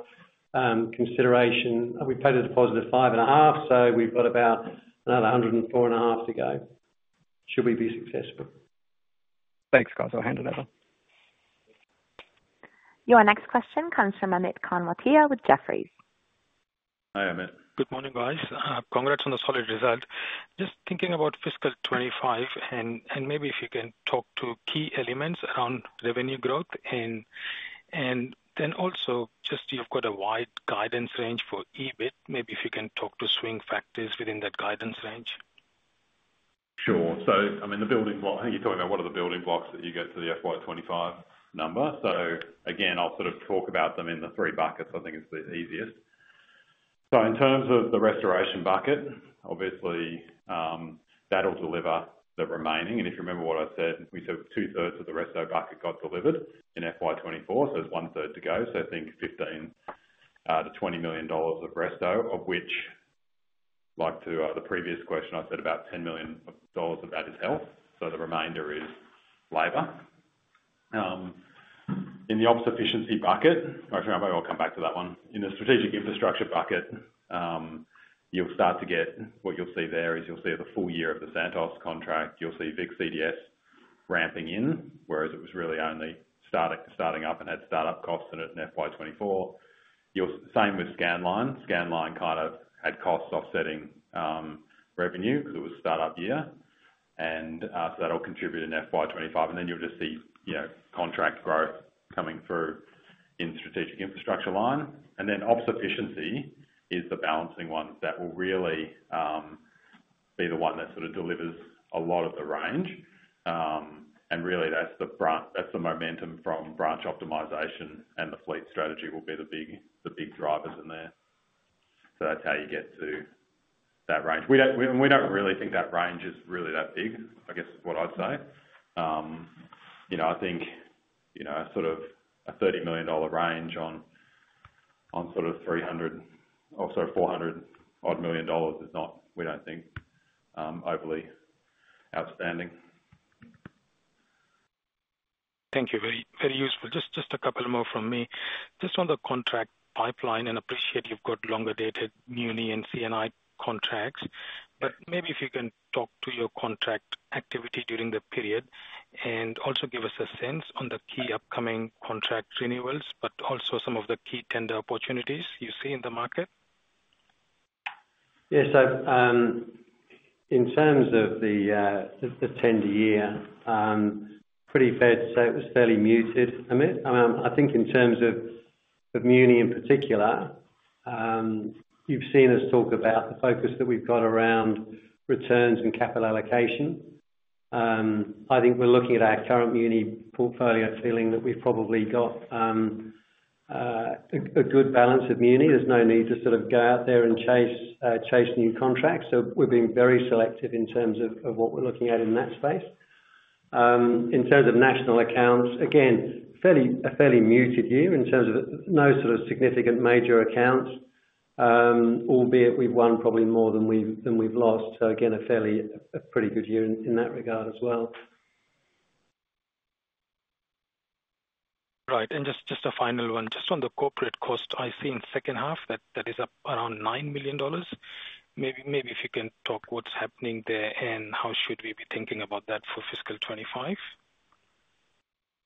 consideration. We paid a deposit of 5.5, so we've got about another 104.5 to go, should we be successful? Thanks, guys. I'll hand it over. Your next question comes from Amit Khanzode with Jefferies. Hi, Amit. Good morning, guys. Congrats on the solid result. Just thinking about fiscal 2025, and maybe if you can talk to key elements around revenue growth, and then also just you've got a wide guidance range for EBIT. Maybe if you can talk to swing factors within that guidance range. Sure. So I mean, the building block. I think you're talking about what are the building blocks that you get to the FY 2025 number. So again, I'll sort of talk about them in the three buckets. I think it's the easiest. So in terms of the restoration bucket, obviously, that'll deliver the remaining. And if you remember what I said, we said two-thirds of the resto bucket got delivered in FY 2024, so it's one-third to go. So I think 15 million-20 million dollars of resto, of which, like to, the previous question, I said about 10 million dollars of that is health, so the remainder is labor. In the ops efficiency bucket. Actually, maybe I'll come back to that one. In the strategic infrastructure bucket, you'll start to get, what you'll see there is you'll see the full year of the Santos contract, you'll see big CDS ramping in, whereas it was really only starting up and had startup costs in it in FY 2024. Same with Scanline. Scanline kind of had costs offsetting revenue because it was a startup year. And so that'll contribute in FY 2025, and then you'll just see, you know, contract growth coming through in strategic infrastructure line. And then ops efficiency is the balancing one that will really be the one that sort of delivers a lot of the range. And really that's the momentum from branch optimization and the fleet strategy will be the big drivers in there. So that's how you get to that range. We don't really think that range is really that big, I guess, is what I'd say. You know, I think, you know, a sort of a 30 million dollar range on sort of 300 or sorry, 400 odd million dollars is not, we don't think, overly outstanding. Thank you. Very, very useful. Just, just a couple more from me. Just on the contract pipeline, and appreciate you've got longer dated muni and C&I contracts, but maybe if you can talk to your contract activity during the period, and also give us a sense on the key upcoming contract renewals, but also some of the key tender opportunities you see in the market. Yeah. So, in terms of the tender year, pretty fair to say it was fairly muted, Amit. I think in terms of muni in particular, you've seen us talk about the focus that we've got around returns and capital allocation. I think we're looking at our current muni portfolio feeling that we've probably got a good balance of muni. There's no need to sort of go out there and chase new contracts. So we're being very selective in terms of what we're looking at in that space. In terms of national accounts, again, a fairly muted year in terms of no sort of significant major accounts, albeit we've won probably more than we've lost. So again, a pretty good year in that regard as well. Right. And just a final one. Just on the corporate cost, I see in second half that that is up around 9 million dollars. Maybe if you can talk what's happening there and how should we be thinking about that for fiscal 2025?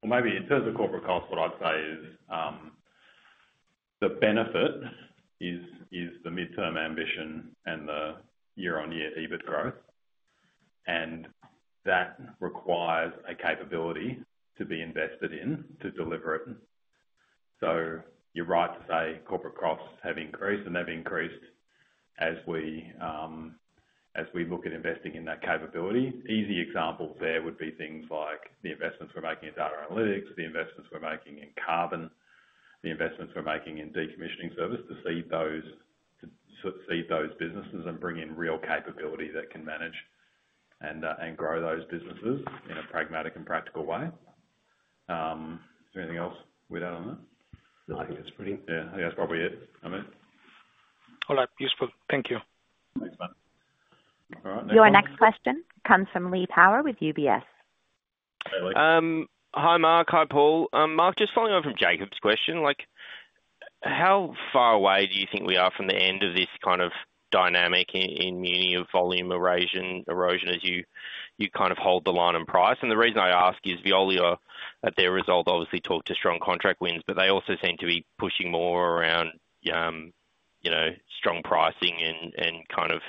Maybe in terms of corporate cost, what I'd say is the benefit is the midterm ambition and the year-on-year EBIT growth, and that requires a capability to be invested in to deliver it. So you're right to say corporate costs have increased, and they've increased as we look at investing in that capability. Easy examples there would be things like the investments we're making in data analytics, the investments we're making in carbon, the investments we're making in decommissioning service to seed those, to sort of seed those businesses and bring in real capability that can manage and grow those businesses in a pragmatic and practical way. Is there anything else we add on that? No, I think that's pretty- Yeah, I think that's probably it, Amit. All right. Useful. Thank you. Thanks, man. All right. Your next question comes from Lee Power with UBS. Hi, Lee. Hi, Mark. Hi, Paul. Mark, just following on from Jakob's question, like, how far away do you think we are from the end of this kind of dynamic in muni of volume erosion as you kind of hold the line on price? And the reason I ask is Veolia, at their result, obviously talked to strong contract wins, but they also seem to be pushing more around, you know, strong pricing and kind of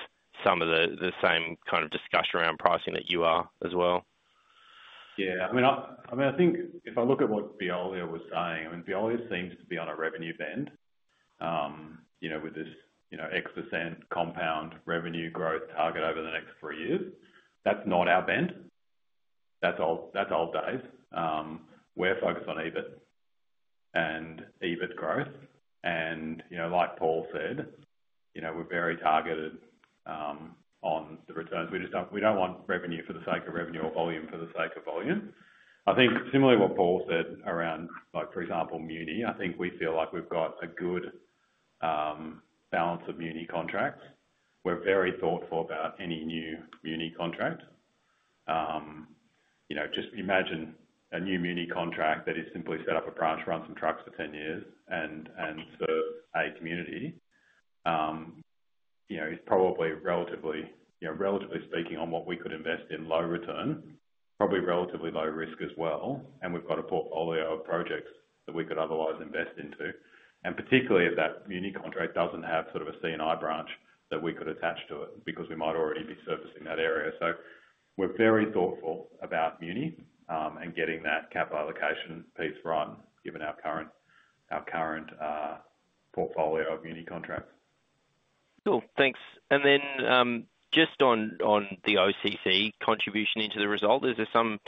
some of the same kind of discussion around pricing that you are as well. Yeah, I mean, I think if I look at what Veolia was saying, I mean, Veolia seems to be on a revenue bend, you know, with this, you know, X% compound revenue growth target over the next three years. That's not our bend. That's old, that's old days. We're focused on EBIT and EBIT growth. And, you know, like Paul said, you know, we're very targeted on the returns. We just don't want revenue for the sake of revenue or volume for the sake of volume. I think similarly what Paul said around, like, for example, muni, I think we feel like we've got a good balance of muni contracts. We're very thoughtful about any new muni contract. You know, just imagine a new muni contract that is simply set up a branch, run some trucks for ten years and serve a community. You know, it's probably relatively, you know, relatively speaking, on what we could invest in low return, probably relatively low risk as well, and we've got a portfolio of projects that we could otherwise invest into. And particularly if that muni contract doesn't have sort of a C&I branch that we could attach to it, because we might already be servicing that area. So we're very thoughtful about muni, and getting that capital allocation piece right, given our current portfolio of muni contracts. Cool, thanks. And then, just on the OCC contribution into the result, is there some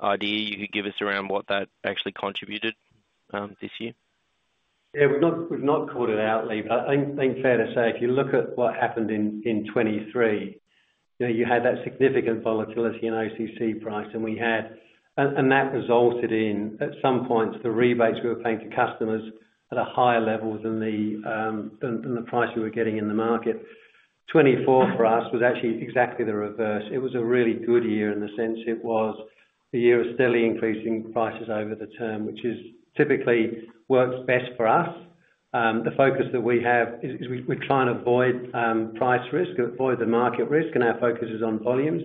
idea you could give us around what that actually contributed, this year? Yeah, we've not called it out, Lee, but I think fair to say, if you look at what happened in 2023, you know, you had that significant volatility in OCC price, and that resulted in, at some points, the rebates we were paying to customers at a higher level than the price we were getting in the market. 2024 for us was actually exactly the reverse. It was a really good year in the sense it was a year of steadily increasing prices over the term, which typically works best for us. The focus that we have is we're trying to avoid price risk, avoid the market risk, and our focus is on volumes.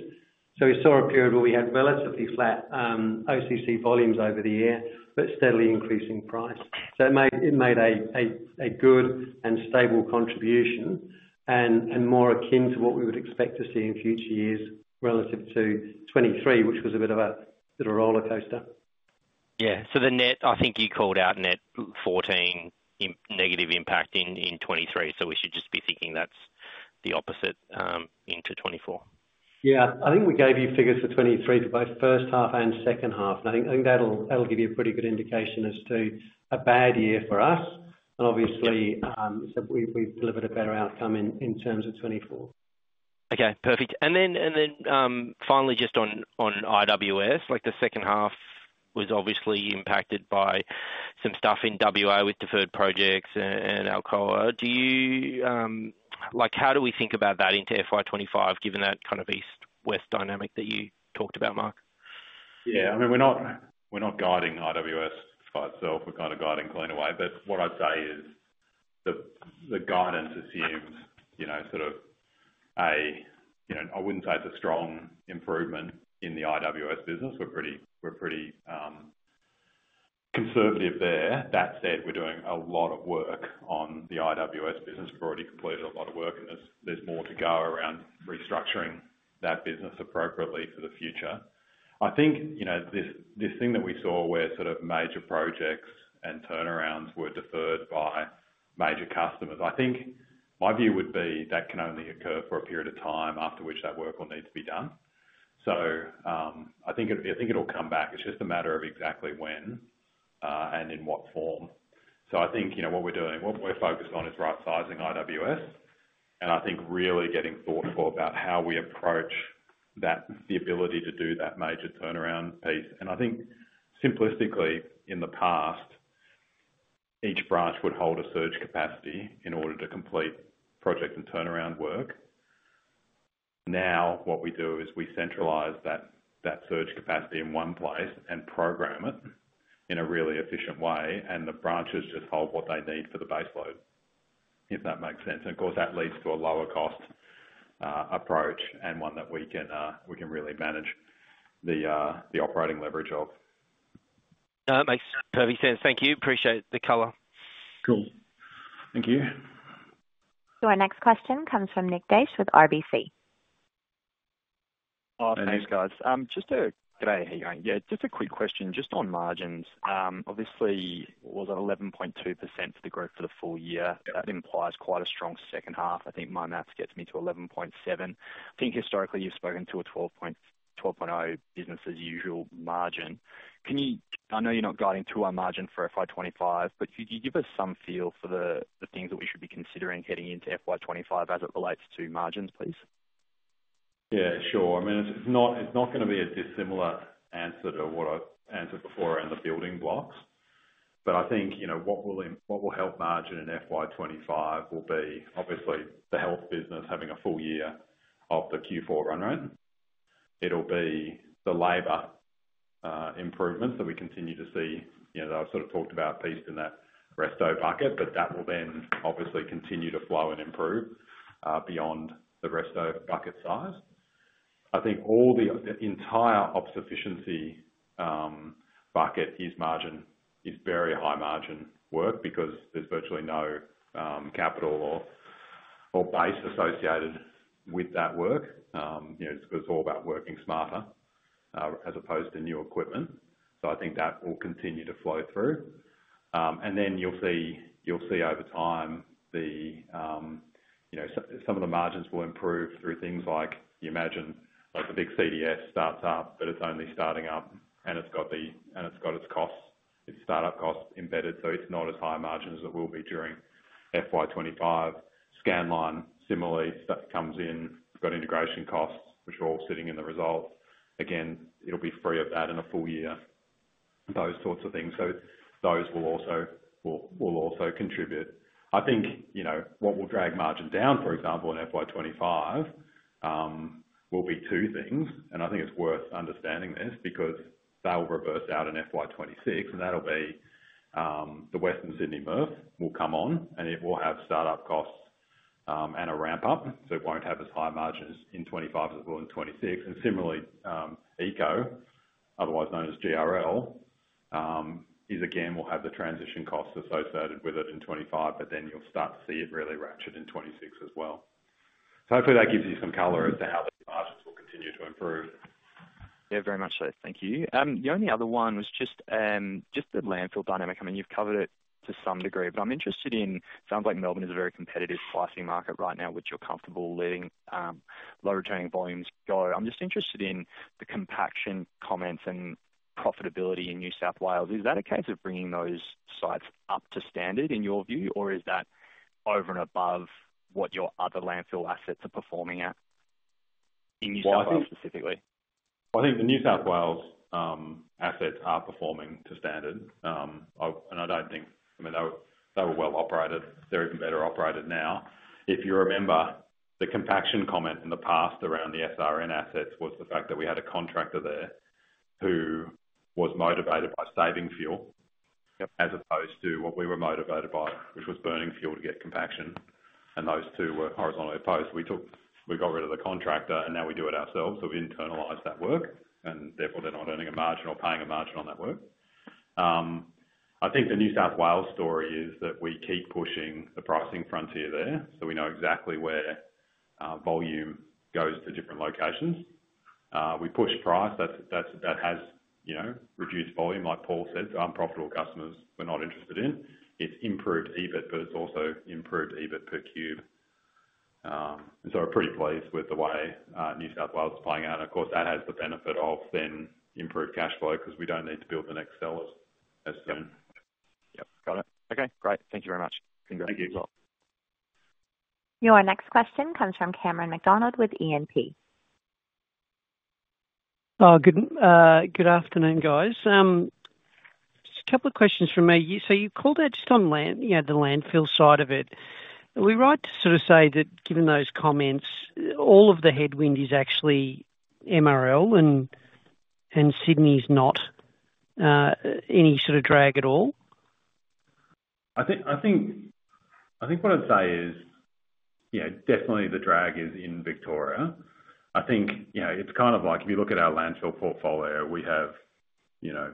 So we saw a period where we had relatively flat OCC volumes over the year, but steadily increasing price. So it made a good and stable contribution and more akin to what we would expect to see in future years relative to 2023, which was a bit of a rollercoaster. Yeah. So the net, I think you called out net 14 in negative impact in 2023, so we should just be thinking that's the opposite into 2024? Yeah. I think we gave you figures for 2023 for both first half and second half. I think that'll give you a pretty good indication as to a bad year for us. And obviously, so we've delivered a better outcome in terms of 2024. Okay, perfect. And then, finally, just on IWS, like the second half was obviously impacted by some stuff in WA with deferred projects and Alcoa. Do you like, how do we think about that into FY 2025, given that kind of East-West dynamic that you talked about, Mark? Yeah, I mean, we're not, we're not guiding IWS by itself, we're kind of guiding Cleanaway. But what I'd say is the guidance assumes, you know, sort of a, you know, I wouldn't say it's a strong improvement in the IWS business. We're pretty conservative there. That said, we're doing a lot of work on the IWS business. We've already completed a lot of work, and there's more to go around restructuring that business appropriately for the future. I think, you know, this thing that we saw where sort of major projects and turnarounds were deferred by major customers, I think my view would be that can only occur for a period of time after which that work will need to be done. So, I think it'll come back. It's just a matter of exactly when, and in what form, so I think, you know, what we're doing, what we're focused on is right-sizing IWS, and I think really getting thoughtful about how we approach that, the ability to do that major turnaround piece, and I think simplistically, in the past, each branch would hold a surge capacity in order to complete project and turnaround work. Now, what we do is we centralize that surge capacity in one place and program it in a really efficient way, and the branches just hold what they need for the baseload, if that makes sense, and of course, that leads to a lower cost approach and one that we can really manage the operating leverage of. No, it makes perfect sense. Thank you. Appreciate the color. Cool. Thank you. Our next question comes from Nick Day with RBC. Hi, Nick. Oh, thanks, guys. Good day, how are you going? Yeah, just a quick question, just on margins. Obviously, was at 11.2% for the growth for the full year. Yeah. That implies quite a strong second half. I think my math gets me to eleven point seven. I think historically, you've spoken to a 12 point o business as usual margin. Can you-- I know you're not guiding to our margin for FY 2025, but could you give us some feel for the, the things that we should be considering heading into FY 2025 as it relates to margins, please? Yeah, sure. I mean, it's not, it's not gonna be a dissimilar answer to what I've answered before around the building blocks. But I think, you know, what will help margin in FY 2025 will be obviously the health business having a full year of the Q4 run rate. It'll be the labor improvements that we continue to see. You know, that I've sort of talked about piece in that EBITDA bucket, but that will then obviously continue to flow and improve beyond the EBITDA bucket size. I think the entire ops efficiency bucket is very high margin work because there's virtually no CapEx or OpEx associated with that work. You know, it's all about working smarter as opposed to new equipment. So I think that will continue to flow through. And then you'll see, you'll see over time, you know, some of the margins will improve through things like, you imagine, like a big CDS starts up, but it's only starting up and it's got its costs, its startup costs embedded, so it's not as high margin as it will be during FY 2025. Scanline, similarly, stuff comes in, we've got integration costs, which are all sitting in the results. Again, it'll be free of that in a full year, those sorts of things. So those will also contribute. I think, you know, what will drag margin down, for example, in FY 2025, will be two things, and I think it's worth understanding this because that will reverse out in FY 2026, and that'll be, the Western Sydney MRF will come on, and it will have startup costs, and a ramp-up, so it won't have as high margins in 2025 as well in 2026. And similarly, ECO, otherwise known as GRL, is again, will have the transition costs associated with it in 2025, but then you'll start to see it really ratchet in 2026 as well. So hopefully that gives you some color as to how the margins will continue to improve. Yeah, very much so. Thank you. The only other one was just the landfill dynamic. I mean, you've covered it to some degree, but I'm interested in. Sounds like Melbourne is a very competitive pricing market right now, which you're comfortable letting low returning volumes go. I'm just interested in the compaction comments and profitability in New South Wales. Is that a case of bringing those sites up to standard, in your view, or is that over and above what your other landfill assets are performing at in New South Wales, specifically? I think the New South Wales assets are performing to standard. And I don't think, I mean, they were, they were well operated. They're even better operated now. If you remember, the compaction comment in the past around the SRN assets was the fact that we had a contractor there who was motivated by saving fuel. Yep. As opposed to what we were motivated by, which was burning fuel to get compaction, and those two were horizontally opposed. We got rid of the contractor, and now we do it ourselves. So we internalized that work, and therefore they're not earning a margin or paying a margin on that work. I think the New South Wales story is that we keep pushing the pricing frontier there, so we know exactly where volume goes to different locations. We push price, that's that has, you know, reduced volume. Like Paul said, unprofitable customers, we're not interested in. It's improved EBIT, but it's also improved EBIT per cube. And so we're pretty pleased with the way New South Wales is playing out, and of course, that has the benefit of then improved cash flow because we don't need to build the next cells as soon. Yep, got it. Okay, great. Thank you very much. Thank you. Thank you as well. Your next question comes from Cameron McDonald with E&P. Good afternoon, guys. Just a couple of questions from me. So you called out just on land, you know, the landfill side of it. Are we right to sort of say that, given those comments, all of the headwind is actually MRL, and Sydney is not any sort of drag at all? I think what I'd say is, you know, definitely the drag is in Victoria. I think, you know, it's kind of like, if you look at our landfill portfolio, we have, you know,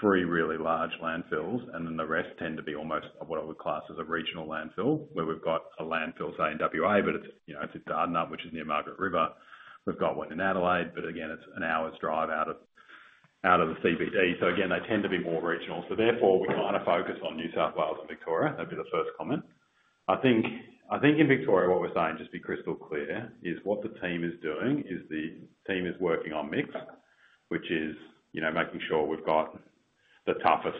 three really large landfills, and then the rest tend to be almost what I would class as a regional landfill, where we've got a landfill, say, in WA, but it's, you know, it's at Dardanup, which is near Margaret River. We've got one in Adelaide, but again, it's an hour's drive out of the CBD. So again, they tend to be more regional. So therefore, we kind of focus on New South Wales and Victoria. That'd be the first comment. I think in Victoria, what we're saying, just to be crystal clear, is what the team is doing is the team is working on mix, which is, you know, making sure we've got the toughest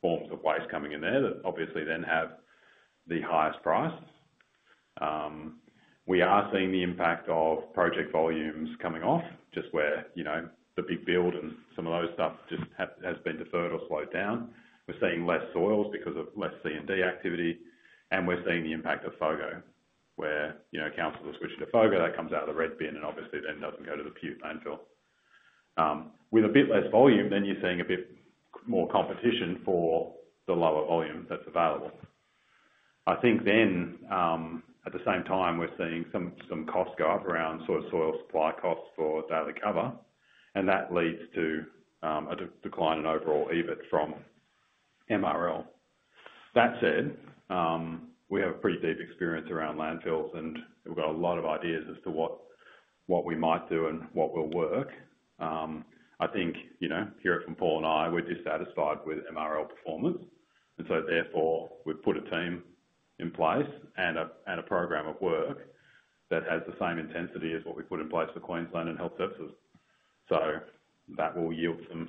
forms of waste coming in there that obviously then have the highest price. We are seeing the impact of project volumes coming off, just where, you know, the big build and some of those stuff just has been deferred or slowed down. We're seeing less soils because of less C&D activity, and we're seeing the impact of FOGO, where, you know, councils are switching to FOGO, that comes out of the red bin and obviously then doesn't go to the MRL landfill. With a bit less volume, then you're seeing a bit more competition for the lower volume that's available. I think then, at the same time, we're seeing some costs go up around sort of soil supply costs for daily cover, and that leads to a decline in overall EBIT from MRL. That said, we have a pretty deep experience around landfills, and we've got a lot of ideas as to what we might do and what will work. I think, you know, hear it from Paul and I, we're dissatisfied with MRL performance, and so therefore, we've put a team in place and a program of work that has the same intensity as what we put in place for Queensland and Health Services. So that will yield some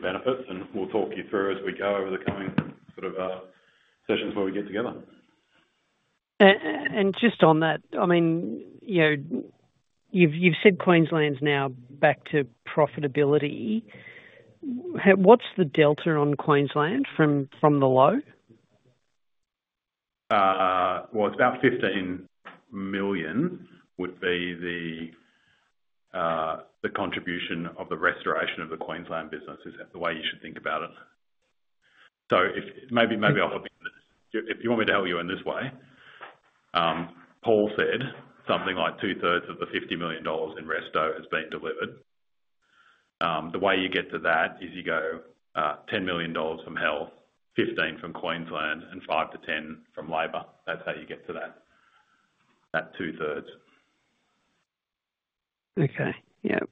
benefits, and we'll talk you through as we go over the coming sort of sessions where we get together. And just on that, I mean, you know, you've said Queensland's now back to profitability. What's the delta on Queensland from the low? Well, it's about 15 million would be the contribution of the restoration of the Queensland business, is the way you should think about it. So if maybe I'll help you. If you want me to help you in this way, Paul said something like two-thirds of the 50 million dollars in resto has been delivered. The way you get to that is you go, 10 million dollars from health, 15 from Queensland, and 5 million-10 million from labor. That's how you get to that two-thirds. Okay. Yep.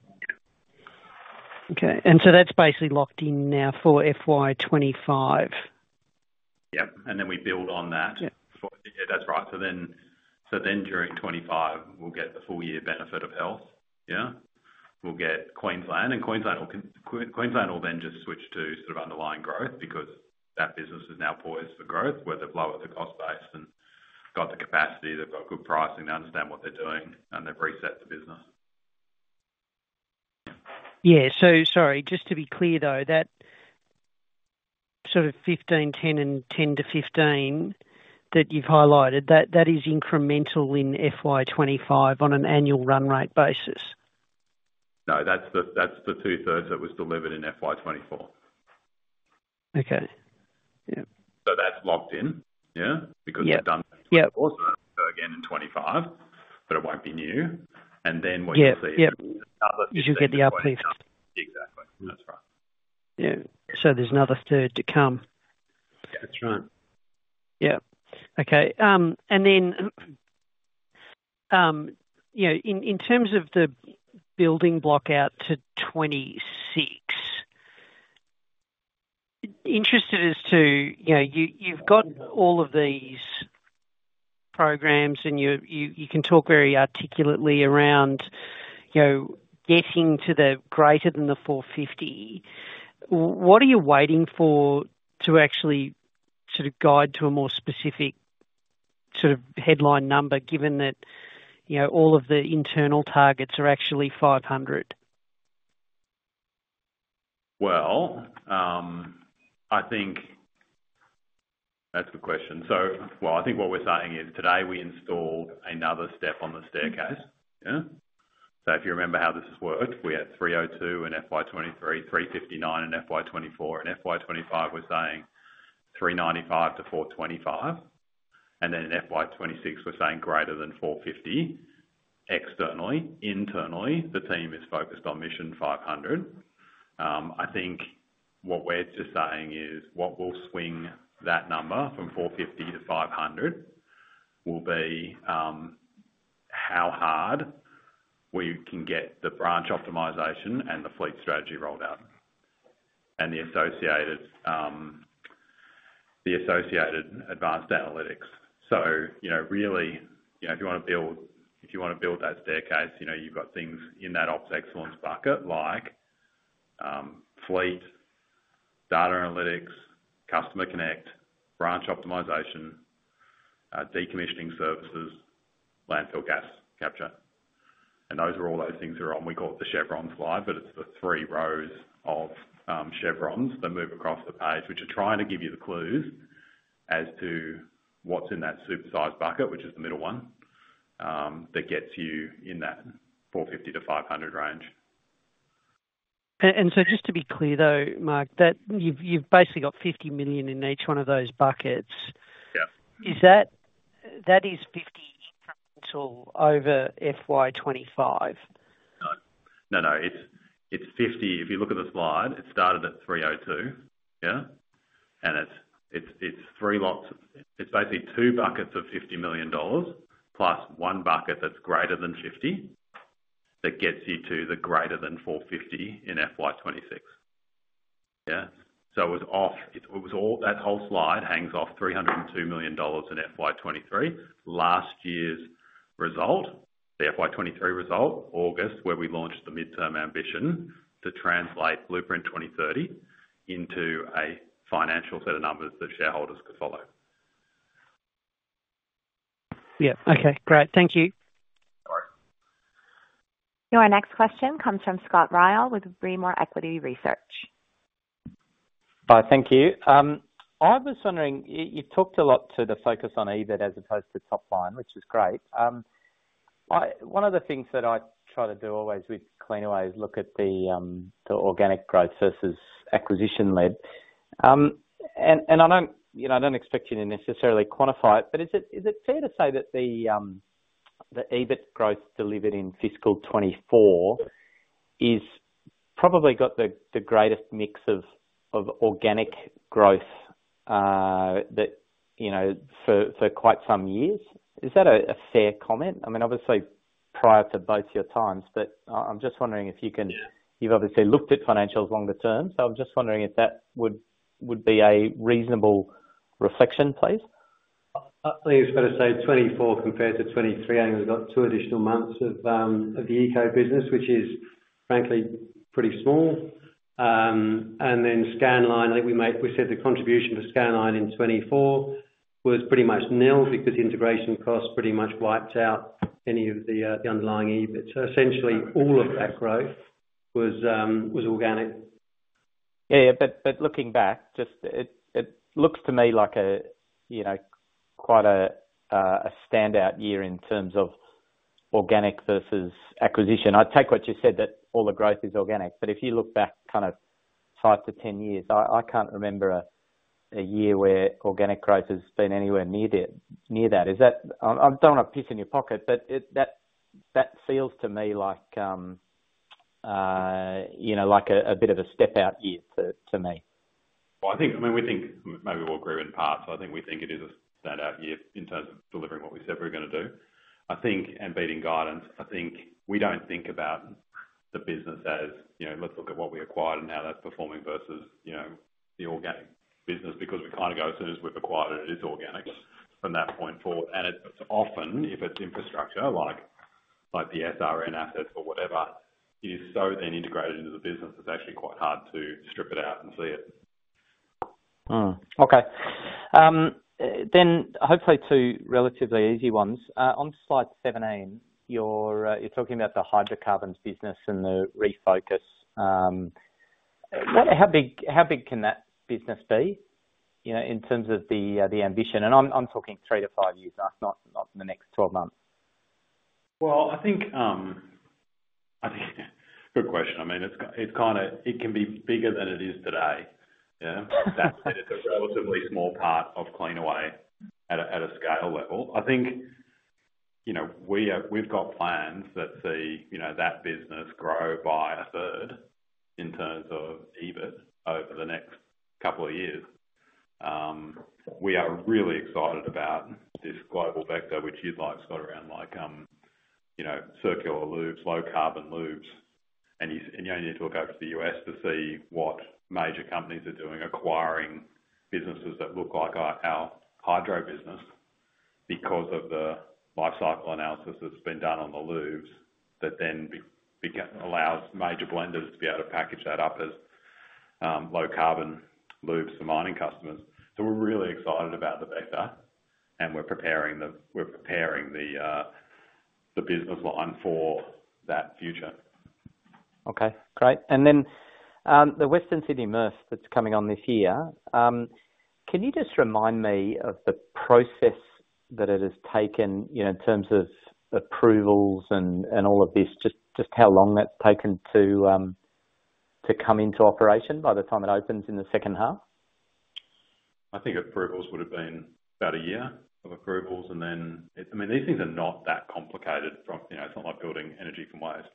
Okay, and so that's basically locked in now for FY 2025? Yep, and then we build on that. Yep. Yeah, that's right. So then during 2025, we'll get the full year benefit of health. Yeah. We'll get Queensland, and Queensland will then just switch to sort of underlying growth because that business is now poised for growth, where they've lowered the cost base and got the capacity, they've got good pricing, they understand what they're doing, and they've reset the business. Yeah. So sorry, just to be clear, though, that sort of 15-10, and 10-15 that you've highlighted, that, that is incremental in FY 2025 on an annual run rate basis? No, that's the two-thirds that was delivered in FY 2024. Okay. Yep. So that's locked in, yeah? Yeah. Because it's done- Yeah - again in 2025, but it won't be new, and then what you'll see- Yeah, yep. You should get the upside. Exactly. That's right. Yeah. So there's another third to come? That's right. Yep. Okay, and then, you know, in terms of the building block out to 26, interested as to, you know, you've gotten all of these programs, and you can talk very articulately around, you know, getting to the greater than the four fifty. What are you waiting for to actually sort of guide to a more specific sort of headline number, given that, you know, all of the internal targets are actually five hundred? Well, that's a good question. So, well, I think what we're saying is today we installed another step on the staircase. Yeah? So if you remember how this has worked, we had 302 in FY 2023, 359 in FY 2024, and FY 2025 we're saying 395-425, and then in FY 2026 we're saying greater than 450, externally. Internally, the team is focused on Mission 500. I think what we're just saying is what will swing that number from 450-500 will be how hard we can get the branch optimization and the fleet strategy rolled out, and the associated advanced analytics. You know, really, you know, if you wanna build that staircase, you know, you've got things in that ops excellence bucket, like, fleet, data analytics, Customer Connect, branch optimization, decommissioning services, landfill gas capture. And those are all those things on, we call it the Chevron slide, but it's the three rows of chevrons that move across the page, which are trying to give you the clues as to what's in that supersized bucket, which is the middle one, that gets you in that 450-500 range. Just to be clear, though, Mark, you've basically got 50 million in each one of those buckets. Yeah. Is that 50 incremental over FY 2025? No. No, no, it's fifty. If you look at the slide, it started at 302, yeah? And it's three lots. It's basically two buckets of 50 million dollars, plus one bucket that's greater than 50 million, that gets you to the greater than 450 million in FY 2026. Yeah? So it was off. It was all, that whole slide hangs off 302 million dollars in FY 2023. Last year's result, the FY 2023 result, August, where we launched the midterm ambition to translate Blueprint 2030 into a financial set of numbers that shareholders could follow. Yeah. Okay, great. Thank you. All right. Your next question comes from Scott Ryall with Rimor Equity Research. Hi, thank you. I was wondering, you've talked a lot to the focus on EBIT as opposed to top line, which is great. One of the things that I try to do always with Cleanaway is look at the, the organic growth versus acquisition-led. And, I don't, you know, I don't expect you to necessarily quantify it, but is it, is it fair to say that the, the EBIT growth delivered in Fiscal 2024 is probably got the, the greatest mix of, of organic growth, that, you know, for, for quite some years? Is that a, a fair comment? I mean, obviously, prior to both your times, but I'm just wondering if you can. You've obviously looked at financials longer term, so I'm just wondering if that would, would be a reasonable reflection, please? I think it's fair to say 2024 compared to 2023, and we've got two additional months of the ECO business, which is frankly pretty small. And then Scanline, I think we said the contribution to Scanline in 2024 was pretty much nil because the integration cost pretty much wiped out any of the underlying EBIT. So essentially, all of that growth was organic. Yeah, but looking back, it looks to me like, you know, quite a standout year in terms of organic versus acquisition. I take what you said, that all the growth is organic, but if you look back kind of five to ten years, I can't remember a year where organic growth has been anywhere near it, near that. Is that. I don't wanna piss in your pocket, but that feels to me like, you know, like a bit of a step-out year to me. I think, I mean, we think maybe we'll agree in part. I think we think it is a standout year in terms of delivering what we said we were gonna do. I think, and beating guidance, I think we don't think about the business as, you know, let's look at what we acquired and how that's performing versus, you know, the organic business, because we kinda go, as soon as we've acquired it, it's organic from that point forward. It's often, if it's infrastructure like the SRN assets or whatever, it is so then integrated into the business, it's actually quite hard to strip it out and see it. Okay. Then hopefully two relatively easy ones. On Slide 17, you're talking about the Hydrocarbons business and the refocus. How big can that business be, you know, in terms of the ambition? And I'm talking three to five years out, not in the next 12 months. I think good question. I mean, it's kinda, it can be bigger than it is today. Yeah? That's it, it's a relatively small part of Cleanaway at a scale level. I think, you know, we've got plans that see, you know, that business grow by a third in terms of EBIT over the next couple of years. We are really excited about this global vector, which you'd like, Scott, around like, you know, circular lubes, low carbon lubes. You only need to look over to the U.S. to see what major companies are doing, acquiring businesses that look like our hydro business, because of the life cycle analysis that's been done on the lubes, that then allows major blenders to be able to package that up as low carbon lubes for mining customers. We're really excited about the vector, and we're preparing the business line for that future. Okay, great. And then, the Western Sydney MRF that's coming on this year, can you just remind me of the process that it has taken, you know, in terms of approvals and all of this, just how long that's taken to come into operation by the time it opens in the second half? I think approvals would have been about a year of approvals, and then I mean, these things are not that complicated from, you know, it's not like building energy from waste.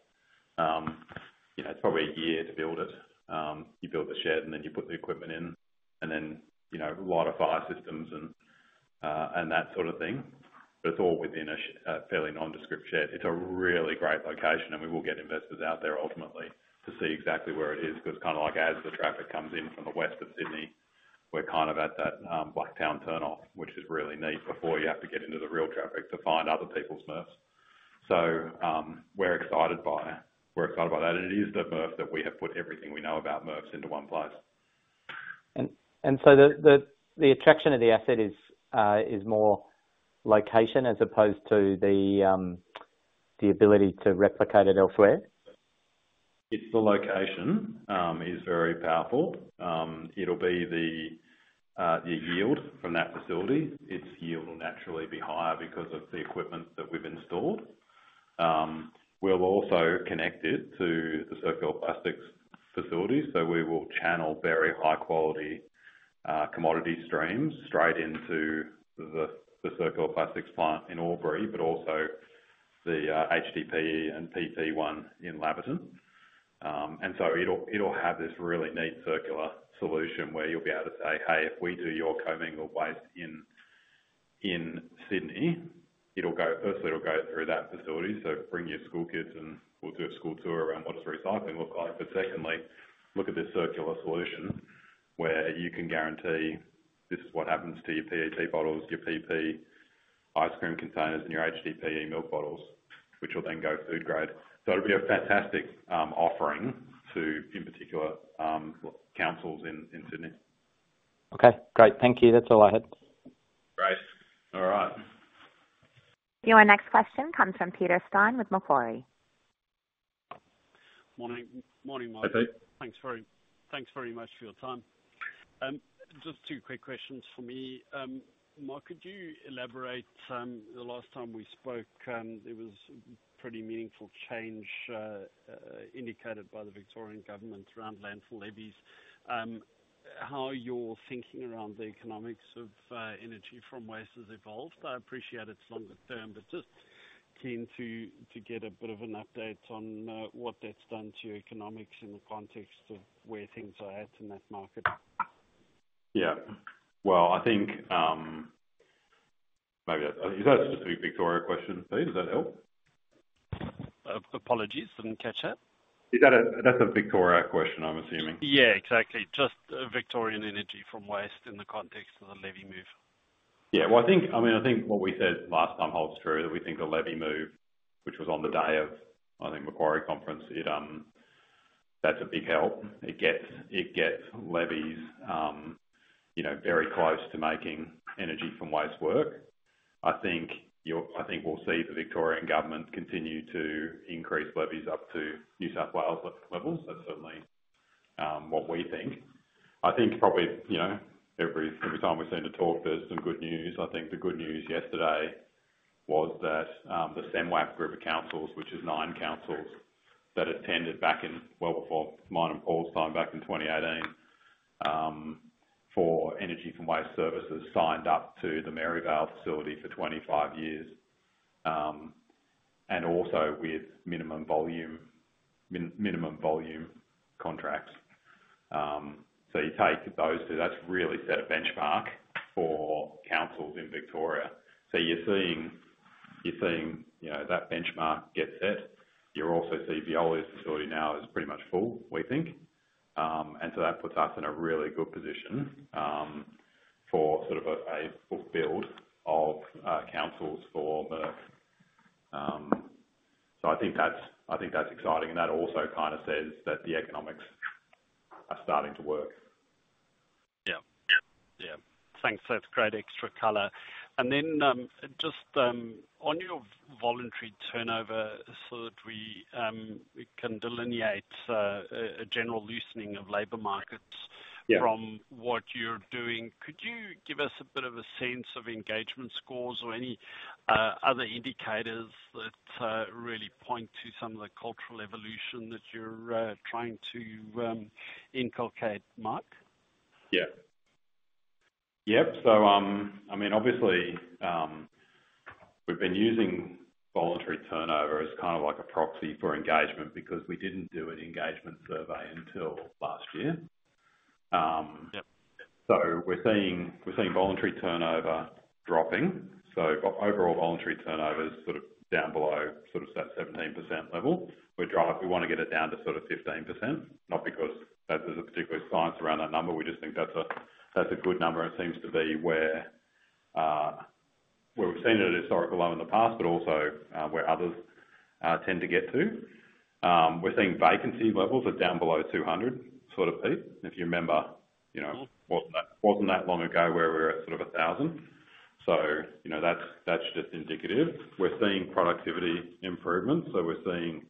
You know, it's probably a year to build it. You build the shed, and then you put the equipment in, and then, you know, a lot of fire systems and, and that sort of thing. But it's all within a fairly nondescript shed. It's a really great location, and we will get investors out there ultimately to see exactly where it is, because kind of like as the traffic comes in from the west of Sydney, we're kind of at that, Blacktown turnoff, which is really neat, before you have to get into the real traffic to find other people's MRFs. We're excited by that, and it is the MRF that we have put everything we know about MRFs into one place. So the attraction of the asset is more location as opposed to the ability to replicate it elsewhere? It's the location is very powerful. It'll be the yield from that facility. Its yield will naturally be higher because of the equipment that we've installed. We'll also connect it to the circular plastics facility, so we will channel very high quality commodity streams straight into the circular plastics plant in Albury, but also the HDPE and PP one in Laverton. And so it'll have this really neat circular solution where you'll be able to say, "Hey, if we do your C&I waste in Sydney, it'll go, firstly, it'll go through that facility. So bring your school kids, and we'll do a school tour around what does recycling look like? But secondly, look at this circular solution where you can guarantee this is what happens to your PET bottles, your PP ice cream containers, and your HDPE milk bottles, which will then go food grade. So it'll be a fantastic offering to, in particular, councils in Sydney. Okay, great. Thank you. That's all I had. Great. All right. Your next question comes from Peter Steyn with Macquarie. Morning, morning, Mark. Hey, Peter. Thanks very much for your time. Just two quick questions for me. Mark, could you elaborate? The last time we spoke, there was pretty meaningful change indicated by the Victorian government around landfill levies. How has your thinking around the economics of energy from waste evolved? I appreciate it's longer term, but just keen to get a bit of an update on what that's done to your economics in the context of where things are at in that market. Yeah. Well, I think, maybe... Is that a specific Victoria question, Peter? Does that help? Apologies, didn't catch that. That's a Victoria question, I'm assuming. Yeah, exactly. Just Victorian energy from waste in the context of the levy move. Yeah. Well, I think, I mean, I think what we said last time holds true, that we think the levy move, which was on the day of, I think, Macquarie conference. It. That's a big help. It gets, it gets levies, you know, very close to making energy from waste work. I think we'll see the Victorian government continue to increase levies up to New South Wales levels. That's certainly, what we think. I think probably, you know, every time we seem to talk, there's some good news. I think the good news yesterday was that, the SEMAWP group of councils, which is nine councils that attended back in, before mine and Paul's time, back in 2018, for energy from waste services, signed up to the Maryvale facility for 25 years, and also with minimum volume contracts. You take those two, that's really set a benchmark for councils in Victoria. You're seeing, you're seeing, you know, that benchmark get set. You're also seeing Veolia's facility now is pretty much full, we think. And so that puts us in a really good position for sort of a full build of councils for the. I think that's, I think that's exciting, and that also kind of says that the economics are starting to work. Yeah. Yeah. Thanks, that's great extra color. And then, just, on your voluntary turnover, so that we can delineate a general loosening of labor markets- Yeah From what you're doing, could you give us a bit of a sense of engagement scores or any other indicators that really point to some of the cultural evolution that you're trying to inculcate, Mark? Yeah. Yep. So, I mean, obviously, we've been using voluntary turnover as kind of like a proxy for engagement because we didn't do an engagement survey until last year. Yep. We're seeing voluntary turnover dropping. Overall, voluntary turnover is sort of down below, sort of at 17% level. We wanna get it down to sort of 15%, not because there's a particular science around that number, we just think that's a, that's a good number, and seems to be where, where we've seen it at historical low in the past, but also, where others tend to get to. We're seeing vacancy levels are down below 200, sort of, Pete. If you remember, you know, wasn't that long ago where we were at sort of 1,000. You know, that's just indicative. We're seeing productivity improvements, so we're seeing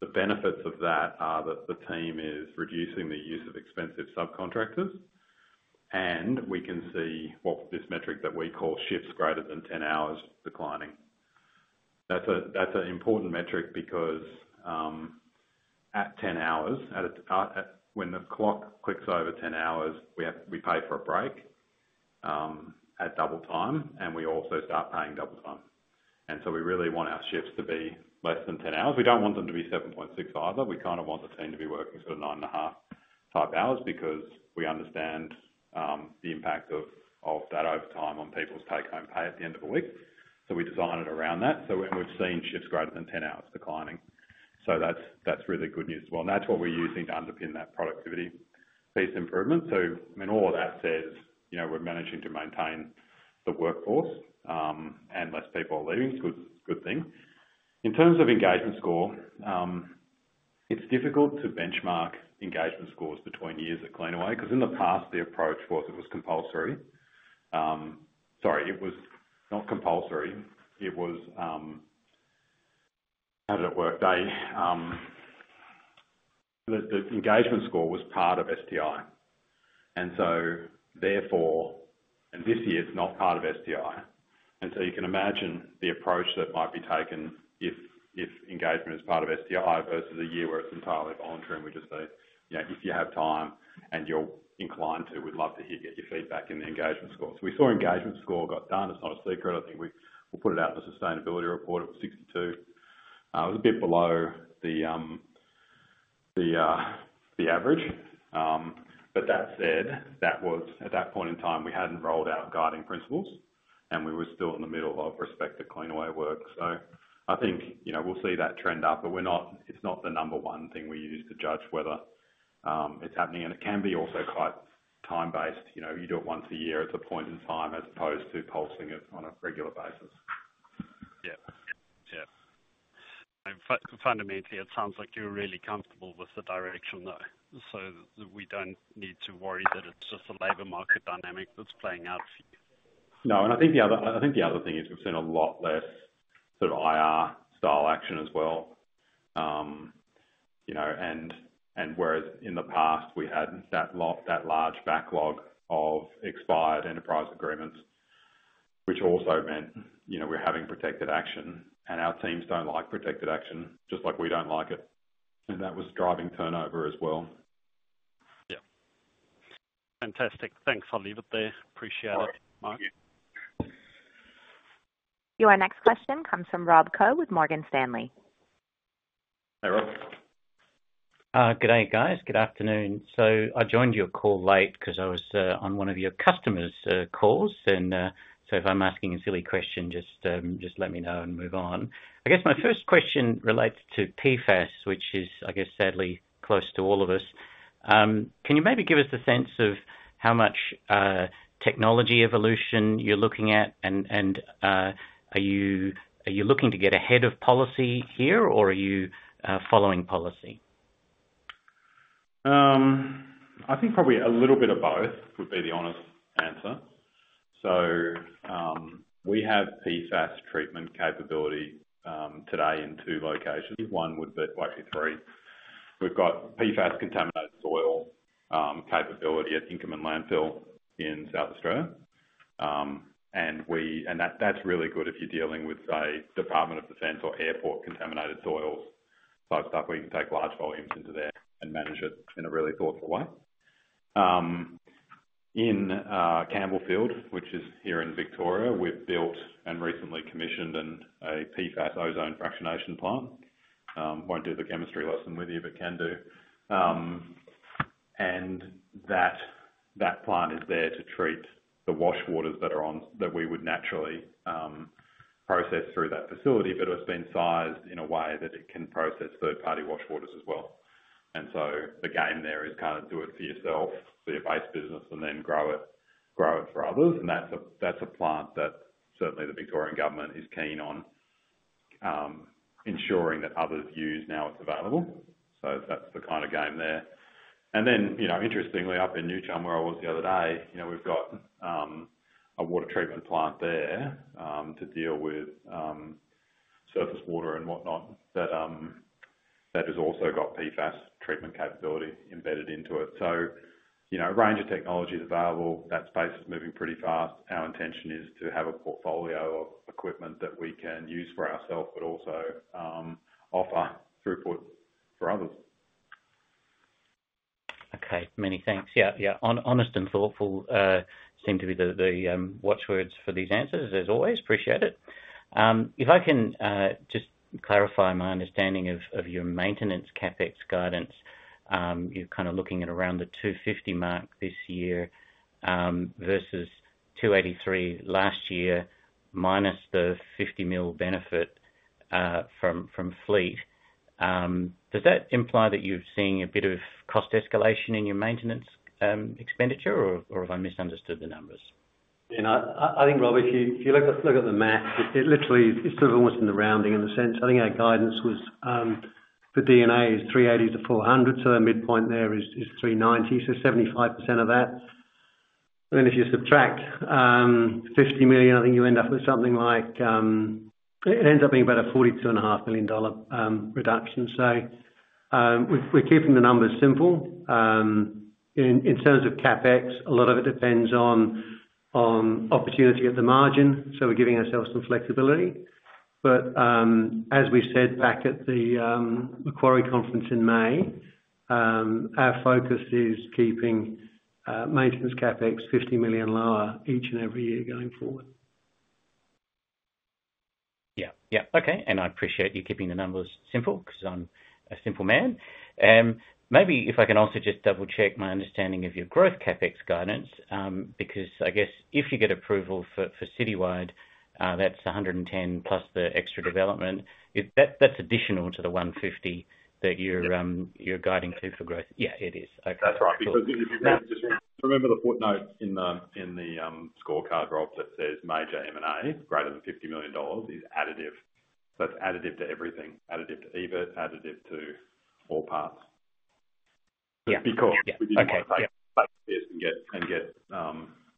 the benefits of that are that the team is reducing the use of expensive subcontractors, and we can see what this metric that we call shifts greater than ten hours declining. That's an important metric because at ten hours, when the clock clicks over ten hours, we pay for a break at double time, and we also start paying double time. And so we really want our shifts to be less than ten hours. We don't want them to be seven point six either. We kind of want the team to be working sort of nine and a half type hours because we understand the impact of that overtime on people's take-home pay at the end of the week. So we design it around that. So when we've seen shifts greater than 10 hours declining. So that's really good news as well, and that's what we're using to underpin that productivity piece improvement. So, I mean, all of that says, you know, we're managing to maintain the workforce, and less people are leaving. It's good, good thing. In terms of engagement score, it's difficult to benchmark engagement scores between years at Cleanaway because in the past the approach was it was compulsory. Sorry, it was not compulsory. It was, how did it work? The engagement score was part of STI, and so therefore-- And this year it's not part of STI. So you can imagine the approach that might be taken if engagement is part of STI versus a year where it's entirely voluntary and we just say, "You know, if you have time and you're inclined to, we'd love to hear, get your feedback in the engagement score." So we saw engagement score got down. It's not a secret. I think we put it out in the sustainability report. It was 62. It was a bit below the average. But that said, that was at that point in time, we hadn't rolled out guiding principles, and we were still in the middle of Respect at Cleanaway. So I think, you know, we'll see that trend up, but we're not. It's not the number one thing we use to judge whether it's happening. And it can be also quite time-based. You know, you do it once a year at a point in time as opposed to pulsing it on a regular basis. Yeah. Yeah. And fundamentally, it sounds like you're really comfortable with the direction, though, so we don't need to worry that it's just a labor market dynamic that's playing out for you? No, and I think the other thing is we've seen a lot less sort of IR style action as well. You know, and whereas in the past we had that large backlog of expired enterprise agreements, which also meant, you know, we're having protected action, and our teams don't like protected action, just like we don't like it, and that was driving turnover as well. Yeah. Fantastic. Thanks. I'll leave it there. Appreciate it, Mark. All right, thank you. Your next question comes from Rob Koh with Morgan Stanley. Hi, Rob. Good day, guys. Good afternoon. So I joined your call late 'cause I was on one of your customers' calls, and so if I'm asking a silly question, just let me know and move on. I guess my first question relates to PFAS, which is, I guess, sadly close to all of us. Can you maybe give us a sense of how much technology evolution you're looking at? And are you looking to get ahead of policy here, or are you following policy? I think probably a little bit of both would be the honest answer. So, we have PFAS treatment capability today in two locations. One would be likely three. We've got PFAS contaminated soil capability at Inkerman Landfill in South Australia. And that, that's really good if you're dealing with a Department of Defence or airport-contaminated soils, so stuff where you can take large volumes into there and manage it in a really thoughtful way. In Campbellfield, which is here in Victoria, we've built and recently commissioned a PFAS ozone fractionation plant. Won't do the chemistry lesson with you, but can do. And that, that plant is there to treat the wash waters that we would naturally process through that facility, but it's been sized in a way that it can process third-party wash waters as well. And so the game there is kind of do it for yourself, for your base business, and then grow it, grow it for others. And that's a, that's a plant that certainly the Victorian government is keen on ensuring that others use, now it's available. So that's the kind of game there. And then, you know, interestingly, up in New Chum, where I was the other day, you know, we've got a water treatment plant there to deal with surface water and whatnot that has also got PFAS treatment capability embedded into it. So, you know, a range of technologies available. That space is moving pretty fast. Our intention is to have a portfolio of equipment that we can use for ourselves, but also, offer throughput for others. Okay. Many thanks. Yeah, yeah. Honest and thoughtful seem to be the watch words for these answers, as always. Appreciate it. If I can just clarify my understanding of your maintenance CapEx guidance. You're kind of looking at around the 250 million mark this year, versus 283 million last year, minus the 50 million benefit from fleet. Does that imply that you're seeing a bit of cost escalation in your maintenance expenditure, or have I misunderstood the numbers? You know, I think, Rob, if you look at the math, it literally, it's sort of almost in the rounding in a sense. I think our guidance was,... the D&A is 380-400, so the midpoint there is 390, so 75% of that. And then if you subtract 50 million, I think you end up with something like, it ends up being about a 42.5 million-dollar reduction. So, we're keeping the numbers simple. In terms of CapEx, a lot of it depends on opportunity at the margin, so we're giving ourselves some flexibility. But, as we said back at the Macquarie conference in May, our focus is keeping maintenance CapEx 50 million lower each and every year going forward. Yeah. Yeah. Okay, and I appreciate you keeping the numbers simple, 'cause I'm a simple man. Maybe if I can also just double check my understanding of your growth CapEx guidance, because I guess if you get approval for Citywide, that's 110+ the extra development. If that. That's additional to the 150 that you're. Yeah. You're guiding to for growth? Yeah, it is. Okay. That's right. Because if you remember the footnote in the scorecard, Rob, that says, Major M&A, greater than 50 million dollars, is additive. So it's additive to everything, additive to EBIT, additive to all parts. Yeah. Because- Yeah. Okay. and get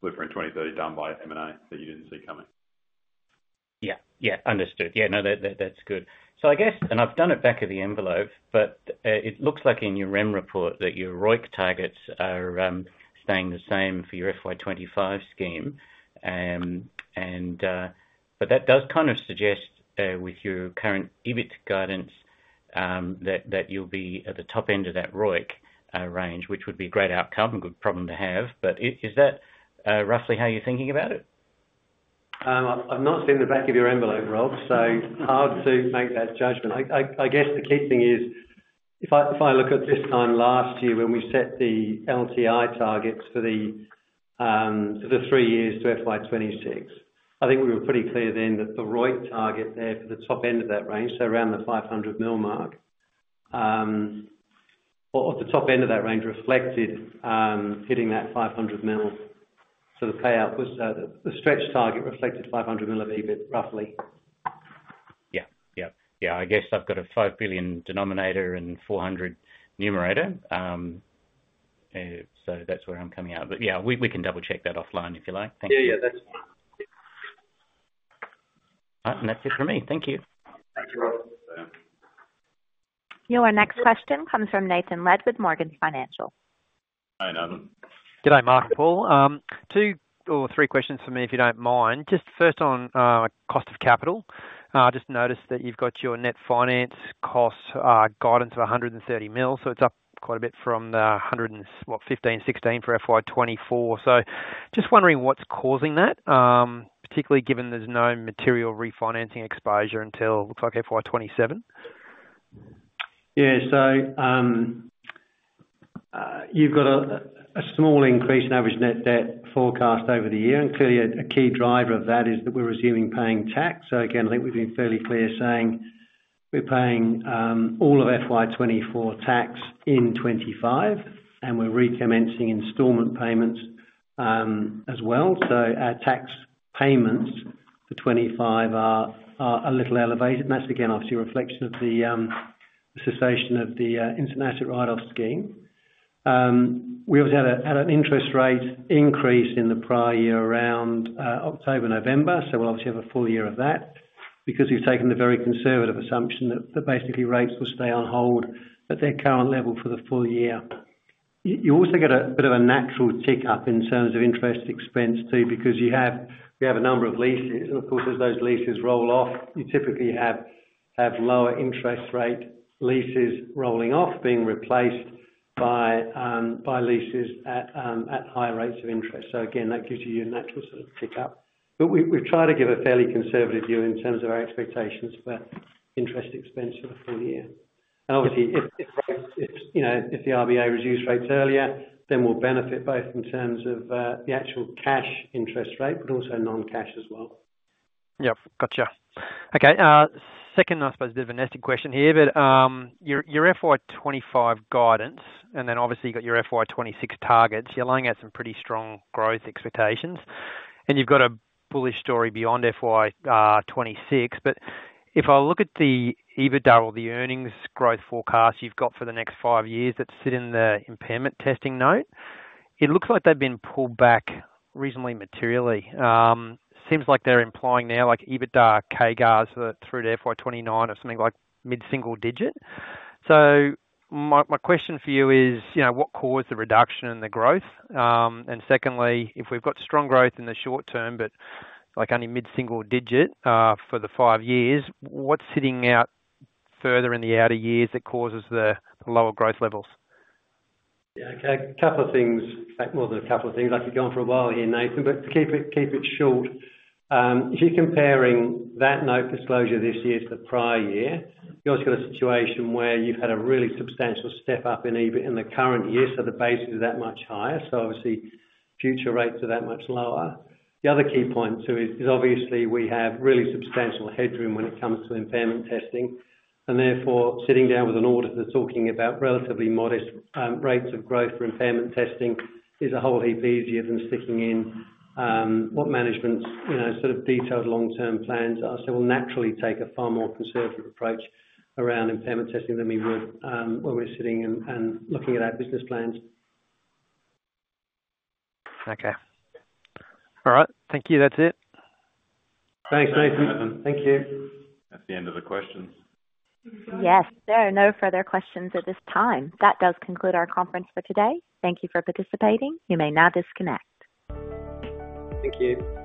Blueprint 2030 done by M&A that you didn't see coming. Yeah. Yeah, understood. Yeah, no, that, that, that's good. So I guess, and I've done it back of the envelope, but it looks like in your Rimor report that your ROIC targets are staying the same for your FY 2025 scheme. And but that does kind of suggest with your current EBIT guidance that that you'll be at the top end of that ROIC range, which would be a great outcome and good problem to have. But is that roughly how you're thinking about it? I've not seen the back of your envelope, Rob, so hard to make that judgment. I guess the key thing is, if I look at this time last year when we set the LTI targets for the three years to FY 2026, I think we were pretty clear then that the ROIC target there for the top end of that range, so around the 500 million mark, or the top end of that range reflected hitting that 500 million. So the payout was the stretch target reflected 500 million of EBIT, roughly. Yeah. Yep. Yeah, I guess I've got a five billion denominator and four hundred numerator. So that's where I'm coming out. But, yeah, we can double-check that offline, if you like. Thank you. Yeah, yeah, that's fine. And that's it for me. Thank you. Thanks, Rob. Yeah. Your next question comes from Nathan Lead with Morgans Financial. Hi, Nathan. G'day, Mark and Paul. Two or three questions from me, if you don't mind. Just first on cost of capital. I just noticed that you've got your net finance costs guidance of 130 million, so it's up quite a bit from the hundred and fifteen, sixteen for FY 2024. So just wondering what's causing that, particularly given there's no material refinancing exposure until looks like FY 2027. Yeah. So, you've got a small increase in average net debt forecast over the year, and clearly a key driver of that is that we're resuming paying tax. So again, I think we've been fairly clear saying we're paying all of FY 2024 tax in 2025, and we're recommencing installment payments as well. So our tax payments for 2025 are a little elevated. And that's again, obviously a reflection of the cessation of the international write-off scheme. We also had an interest rate increase in the prior year around October, November, so we'll obviously have a full year of that because we've taken the very conservative assumption that basically rates will stay on hold at their current level for the full year. You also get a bit of a natural tick-up in terms of interest expense too, because you have a number of leases, and of course, as those leases roll off, you typically have lower interest rate leases rolling off, being replaced by leases at higher rates of interest. So again, that gives you your natural sort of tick-up. But we've tried to give a fairly conservative view in terms of our expectations for interest expense for the full year. And obviously, you know, if the RBA reduces rates earlier, then we'll benefit both in terms of the actual cash interest rate, but also non-cash as well. Yep. Gotcha. Okay, second, I suppose a bit of a nested question here, but, your FY 2025 guidance, and then obviously you've got your FY 2026 targets, you're laying out some pretty strong growth expectations, and you've got a bullish story beyond FY 2026. But if I look at the EBITDA or the earnings growth forecast you've got for the next five years that sit in the impairment testing note, it looks like they've been pulled back reasonably materially. Seems like they're implying now, like EBITDA CAGR, so through to FY 2029 or something like mid-single digit. So my question for you is, you know, what caused the reduction in the growth? And secondly, if we've got strong growth in the short term, but like only mid-single digit for the five years, what's sitting out further in the outer years that causes the lower growth levels? Yeah, okay. A couple of things, well, more than a couple of things. I could go on for a while here, Nathan, but to keep it short, if you're comparing that note disclosure this year to the prior year, you've also got a situation where you've had a really substantial step up in EBIT in the current year, so the base is that much higher, so obviously, future rates are that much lower. The other key point, too, is obviously we have really substantial headroom when it comes to impairment testing, and therefore, sitting down with an auditor talking about relatively modest rates of growth for impairment testing is a whole heap easier than sticking in what management's, you know, sort of detailed long-term plans are. So we'll naturally take a far more conservative approach around impairment testing than we would when we're sitting and looking at our business plans. Okay. All right. Thank you. That's it. Thanks, Nathan. Thank you. That's the end of the questions. Yes, there are no further questions at this time. That does conclude our conference for today. Thank you for participating. You may now disconnect. Thank you.